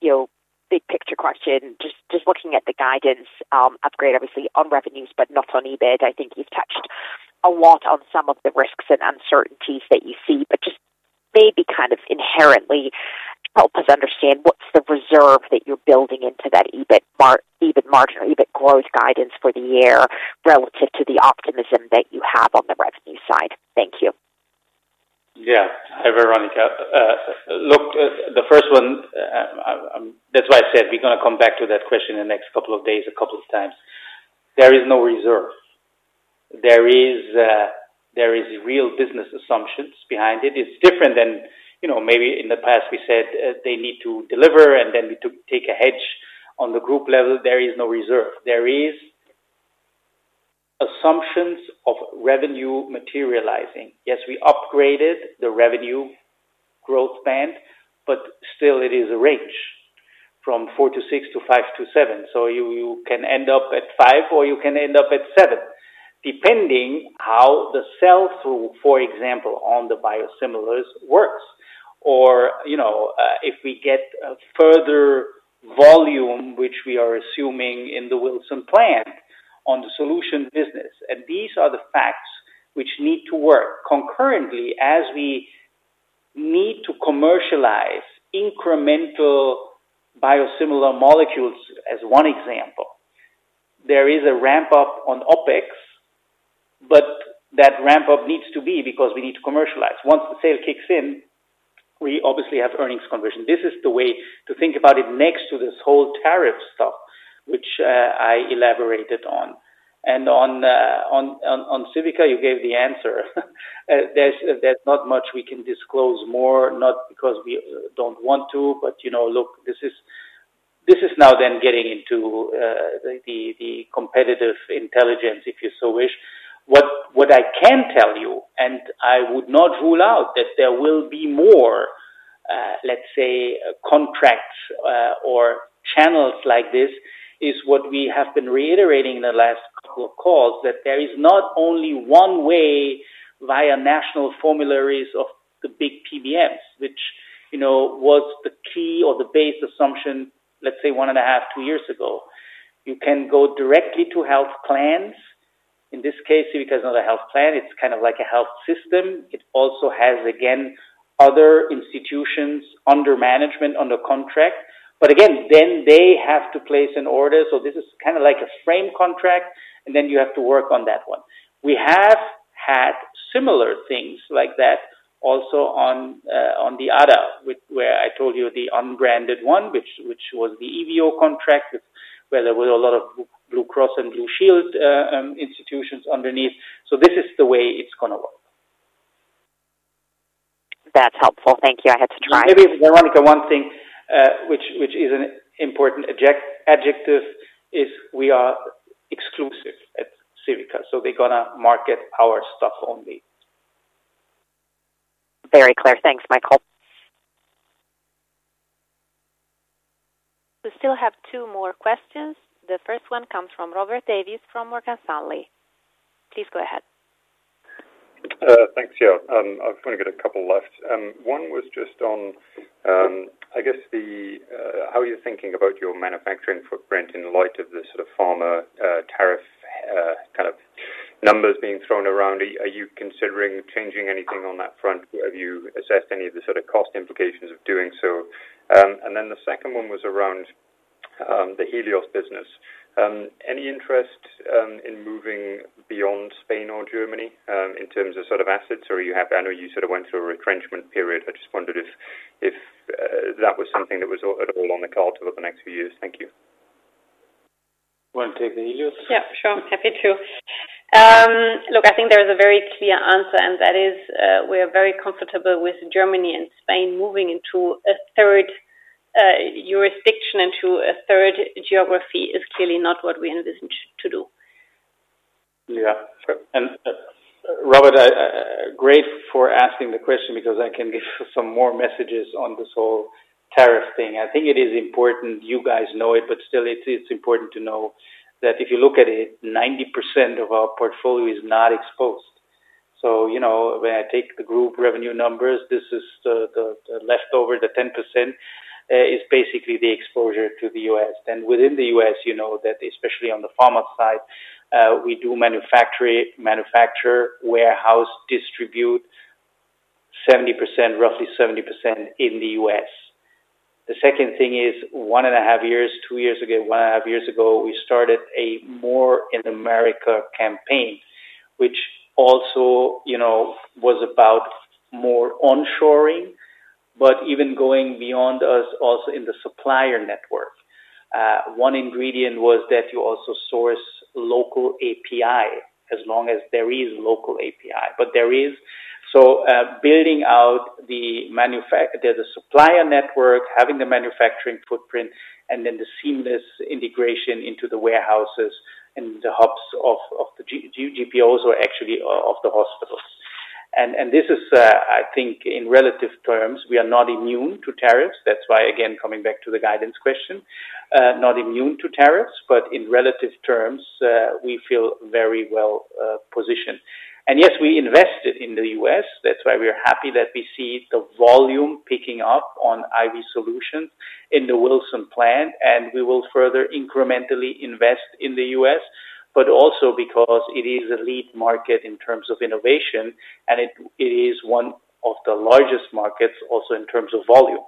you know, big picture question. Just looking at the guidance upgrade, obviously on revenues, but not on EBIT. I think you've touched a lot on some of the risks and uncertainties that you see, but maybe kind of inherently help us understand what's the reserve. That you're building into that EBIT margin. EBIT growth guidance for the year relative to the optimism that you have on the revenue side. Thank you. Yeah. Hey Veronika, look, the first one, that's why I said we're going to come back to that question in the next couple of days, a couple of times. There is no reserve. There is real business assumptions behind it. It's different than, you know, maybe in the past we said they need to deliver and then we take a hedge on the group level. There is no reserve. There is assumptions of revenue materializing. Yes, we upgraded the revenue growth band, but still it is a range from 4-6 to 5-7. You can end up at 5 or you can end up at 7 depending how the sell through. For example, on the biosimilars works or, you know, if we get further volume which we are assuming in the Wilson plant on the solution business. These are the facts which need to work concurrently as we need to commercialize incremental biosimilar molecules. As one example, there is a ramp up on OpEx, but that ramp up needs to be because we need to commercialize. Once the sale kicks in, we obviously have earnings conversion. This is the way to think about it. Next to this whole tariff stuff which I elaborated on and on Civica you gave the answer. There's not much we can disclose more, not because we don't want to. Look, this is now then getting into the competitive intelligence if you so wish. What I can tell you, and I would not rule out that there will be more, let's say, contracts or channels like this is what we have been reiterating in the last calls that there is not only one way via national formularies of the big PBMs, which, you know, was the key or the base assumption, let's say, one and a half, two years ago. You can go directly to health plans. In this case, Civica is not a health plan. It's kind of like a health system. It also has again other institutions under management, under contract, but again then they have to place an order. This is kind of like a frame contract and then you have to work on that one. We have had similar things like that also on the ADA where I told you the unbranded one, which was the EVO contract where there were a lot of Blue Cross and Blue Shield institutions underneath. This is the way it's going to work. That's helpful, thank you. I had to try, maybe. Veronika, one thing which is an important adjective is we are exclusive at Civica, so they're going to market our stuff only. Very clear. Thanks, Michael. We still have two more questions. The first one comes from Robert Davies from Morgan Stanley. Please go ahead. Thanks, Jo. I've only got a couple left. One was just on, I guess, how are you thinking about your manufacturing footprint in light of the sort of pharma tariffs kind of numbers being thrown around? Are you considering changing anything on that front? Have you assessed any of the sort of cost implications of doing so? The second one was around the Helios business. Any interest in moving beyond Spain or Germany in terms of sort of assets? I know you sort of went through a retrenchment period. I just wondered if that was something that was at all on the cards over the next few years. Thank you. Want to take the Helios? Yeah, sure. I'm happy to. I think there is a very clear answer, and that is we are very comfortable with Germany and Spain. Moving into a third jurisdiction, into a third geography, is clearly not what we envisioned to do. Yeah, and Robert, great for asking the question because I can give some more messages on this whole tariff thing. I think it is important you guys know it, but still it's important to know that if you look at it, 90% of our portfolio is not exposed. When I take the group revenue numbers, this is the leftover, the 10% is basically the exposure to the U.S., and within the U.S. you know that especially on the pharma side, we do manufacture, warehouse, distributed, 70%. Roughly 70% in the U.S. The second thing is one and a half years, two years ago, one and a half years ago, we started a more in America campaign which also was about more onshoring, but even going beyond us also in the supplier network. One ingredient was that you also source local API as long as there is local API, but there is, so building out the manufacturer, there's a supplier network, having the manufacturing footprint, and then the seamless integration into the warehouses and the hubs of the GPOs or actually of the hospitals. In relative terms, we are not immune to tariffs. That's why, again, coming back to the guidance question, not immune to tariffs, but in relative terms, we feel very well positioned. Yes, we invested in the U.S., that's why we are happy that we see the volume picking up on IV solutions in the Wilson plant. We will further incrementally invest in the U.S. but also because it is a lead market in terms of innovation and it is one of the largest markets also in terms of volume.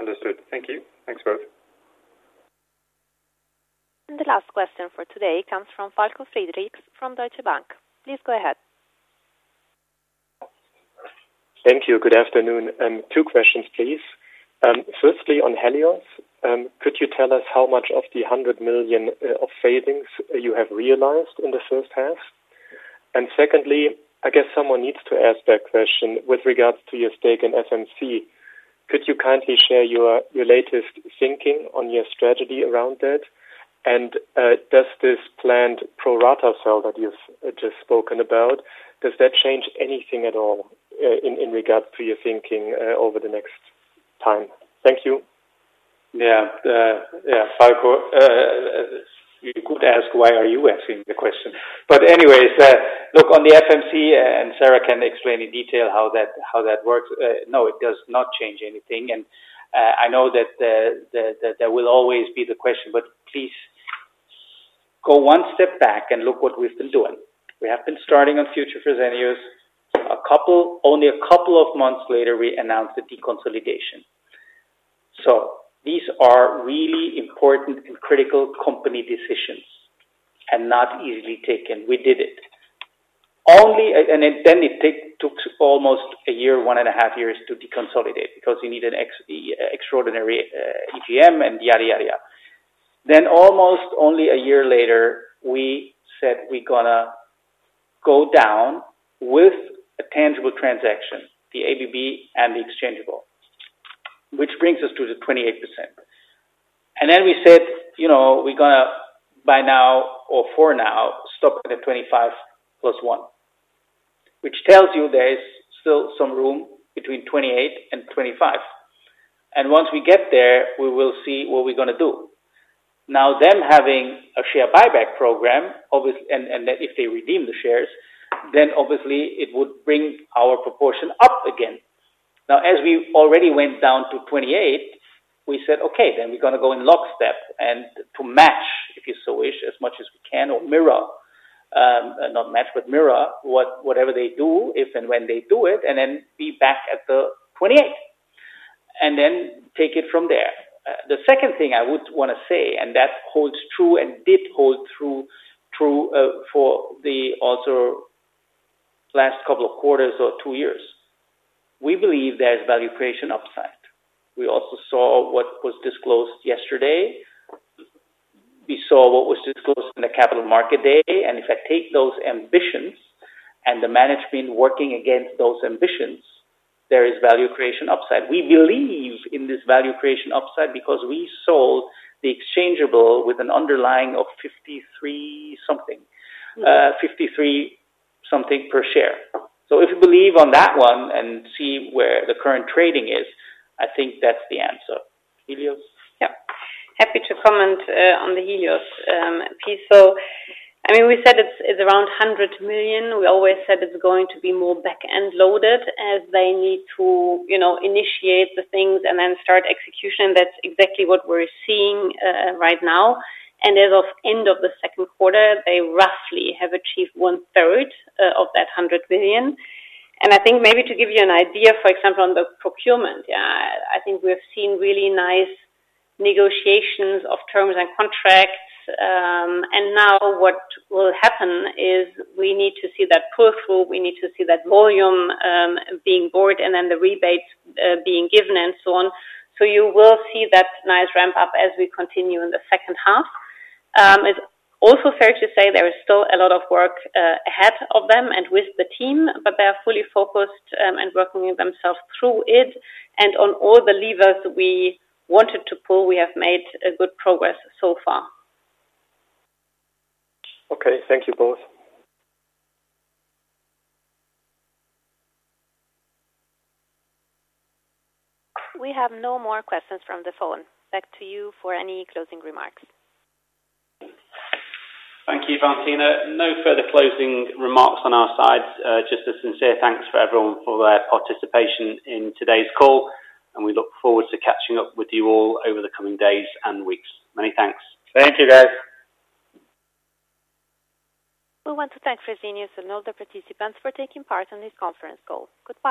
Understood, thank you. Thanks. The last question for today comes from Falko Friedrichs from Deutsche Bank. Please go ahead. Thank you. Good afternoon. Two questions please. Firstly on Helios, could you tell us how much of the $100 million of savings you have realized in the first half? Secondly, I guess someone needs to ask that question with regards to your stake in Fresenius Medical Care, could you kindly share your latest thinking on your strategy around that? Does this planned pro rata sale that you've just spoken about, does that change anything at all in regards to your thinking over the next time? Thank you. Yeah, Falko, you could ask why are you asking the question? Anyways, look on the Fresenius Medical Care and Sara can explain in detail how that works. No, it does not change anything and I know that there will always be the question. Please go one step back and look what we've been doing. We have been starting on future Fresenius. Only a couple of months later we announced the deconsolidation. These are really important and critical company decisions and not easily taken. We did it only and then it took almost a year, one and a half years to deconsolidate because you need an extraordinary EGM and yada yada yada. Almost only a year later we said we are going to go down with a tangible transaction, the ABB and the exchangeable which brings us to the 28%. We said, you know we are going to by now or for now stop at 25+1 which tells you there is still some room between 28 and 25 and once we get there we will see what we're going to do. Now them having a share buyback program and if they redeem the shares then obviously it would bring our proportion up again. As we already went down to 28, we said okay then we are going to go in lockstep and to match if you so wish, as much as we can. Or mirror, not match, but mirror what, whatever they do, if and when they do it and then be back at the 28 and then take it from there. The second thing I would want to say, and that holds true and did hold true for the also last couple of quarters or two years. We believe there's value creation, upside. We also saw what was disclosed yesterday. We saw what was disclosed in the capital market day. If I take those ambitions and the management working against those ambitions there is value creation upside. We believe in this value creation upside because we sold the exchangeable with an underlying of $53 something. $53 something per share. If you believe on that one and see where the current trading is, I think that's the answer. Helios. Yeah, happy to comment on the Helios piece. I mean, we said it's around $100 million. We always said it's going to be more back end loaded as they need to initiate the things and then start execution. That's exactly what we're seeing right now. As of end of the second quarter, they roughly have achieved 1/3 of that $100 million. I think maybe to give you an idea, for example, on the procurement, we have seen really nice negotiations of terms and contracts. Now what will happen is we need to see that pull through. We need to see that volume being bought and then the rebates being given and so on. You will see that nice ramp up as we continue in the second half. It's also fair to say there is still a lot of work ahead of them and with the team, but they are fully focused and working themselves through it. On all the levers we wanted to pull, we have made good progress so far. Okay, thank you both. We have no more questions from the phone. Back to you for any closing remarks. Thank you, Valentina. No further closing remarks on our side. Just a sincere thanks to everyone for their participation in today's call, and we look forward to catching up with you all over the coming days and weeks. Many thanks. Thank you, guys. We want to thank Fresenius and all the participants for taking part in this conference call. Goodbye.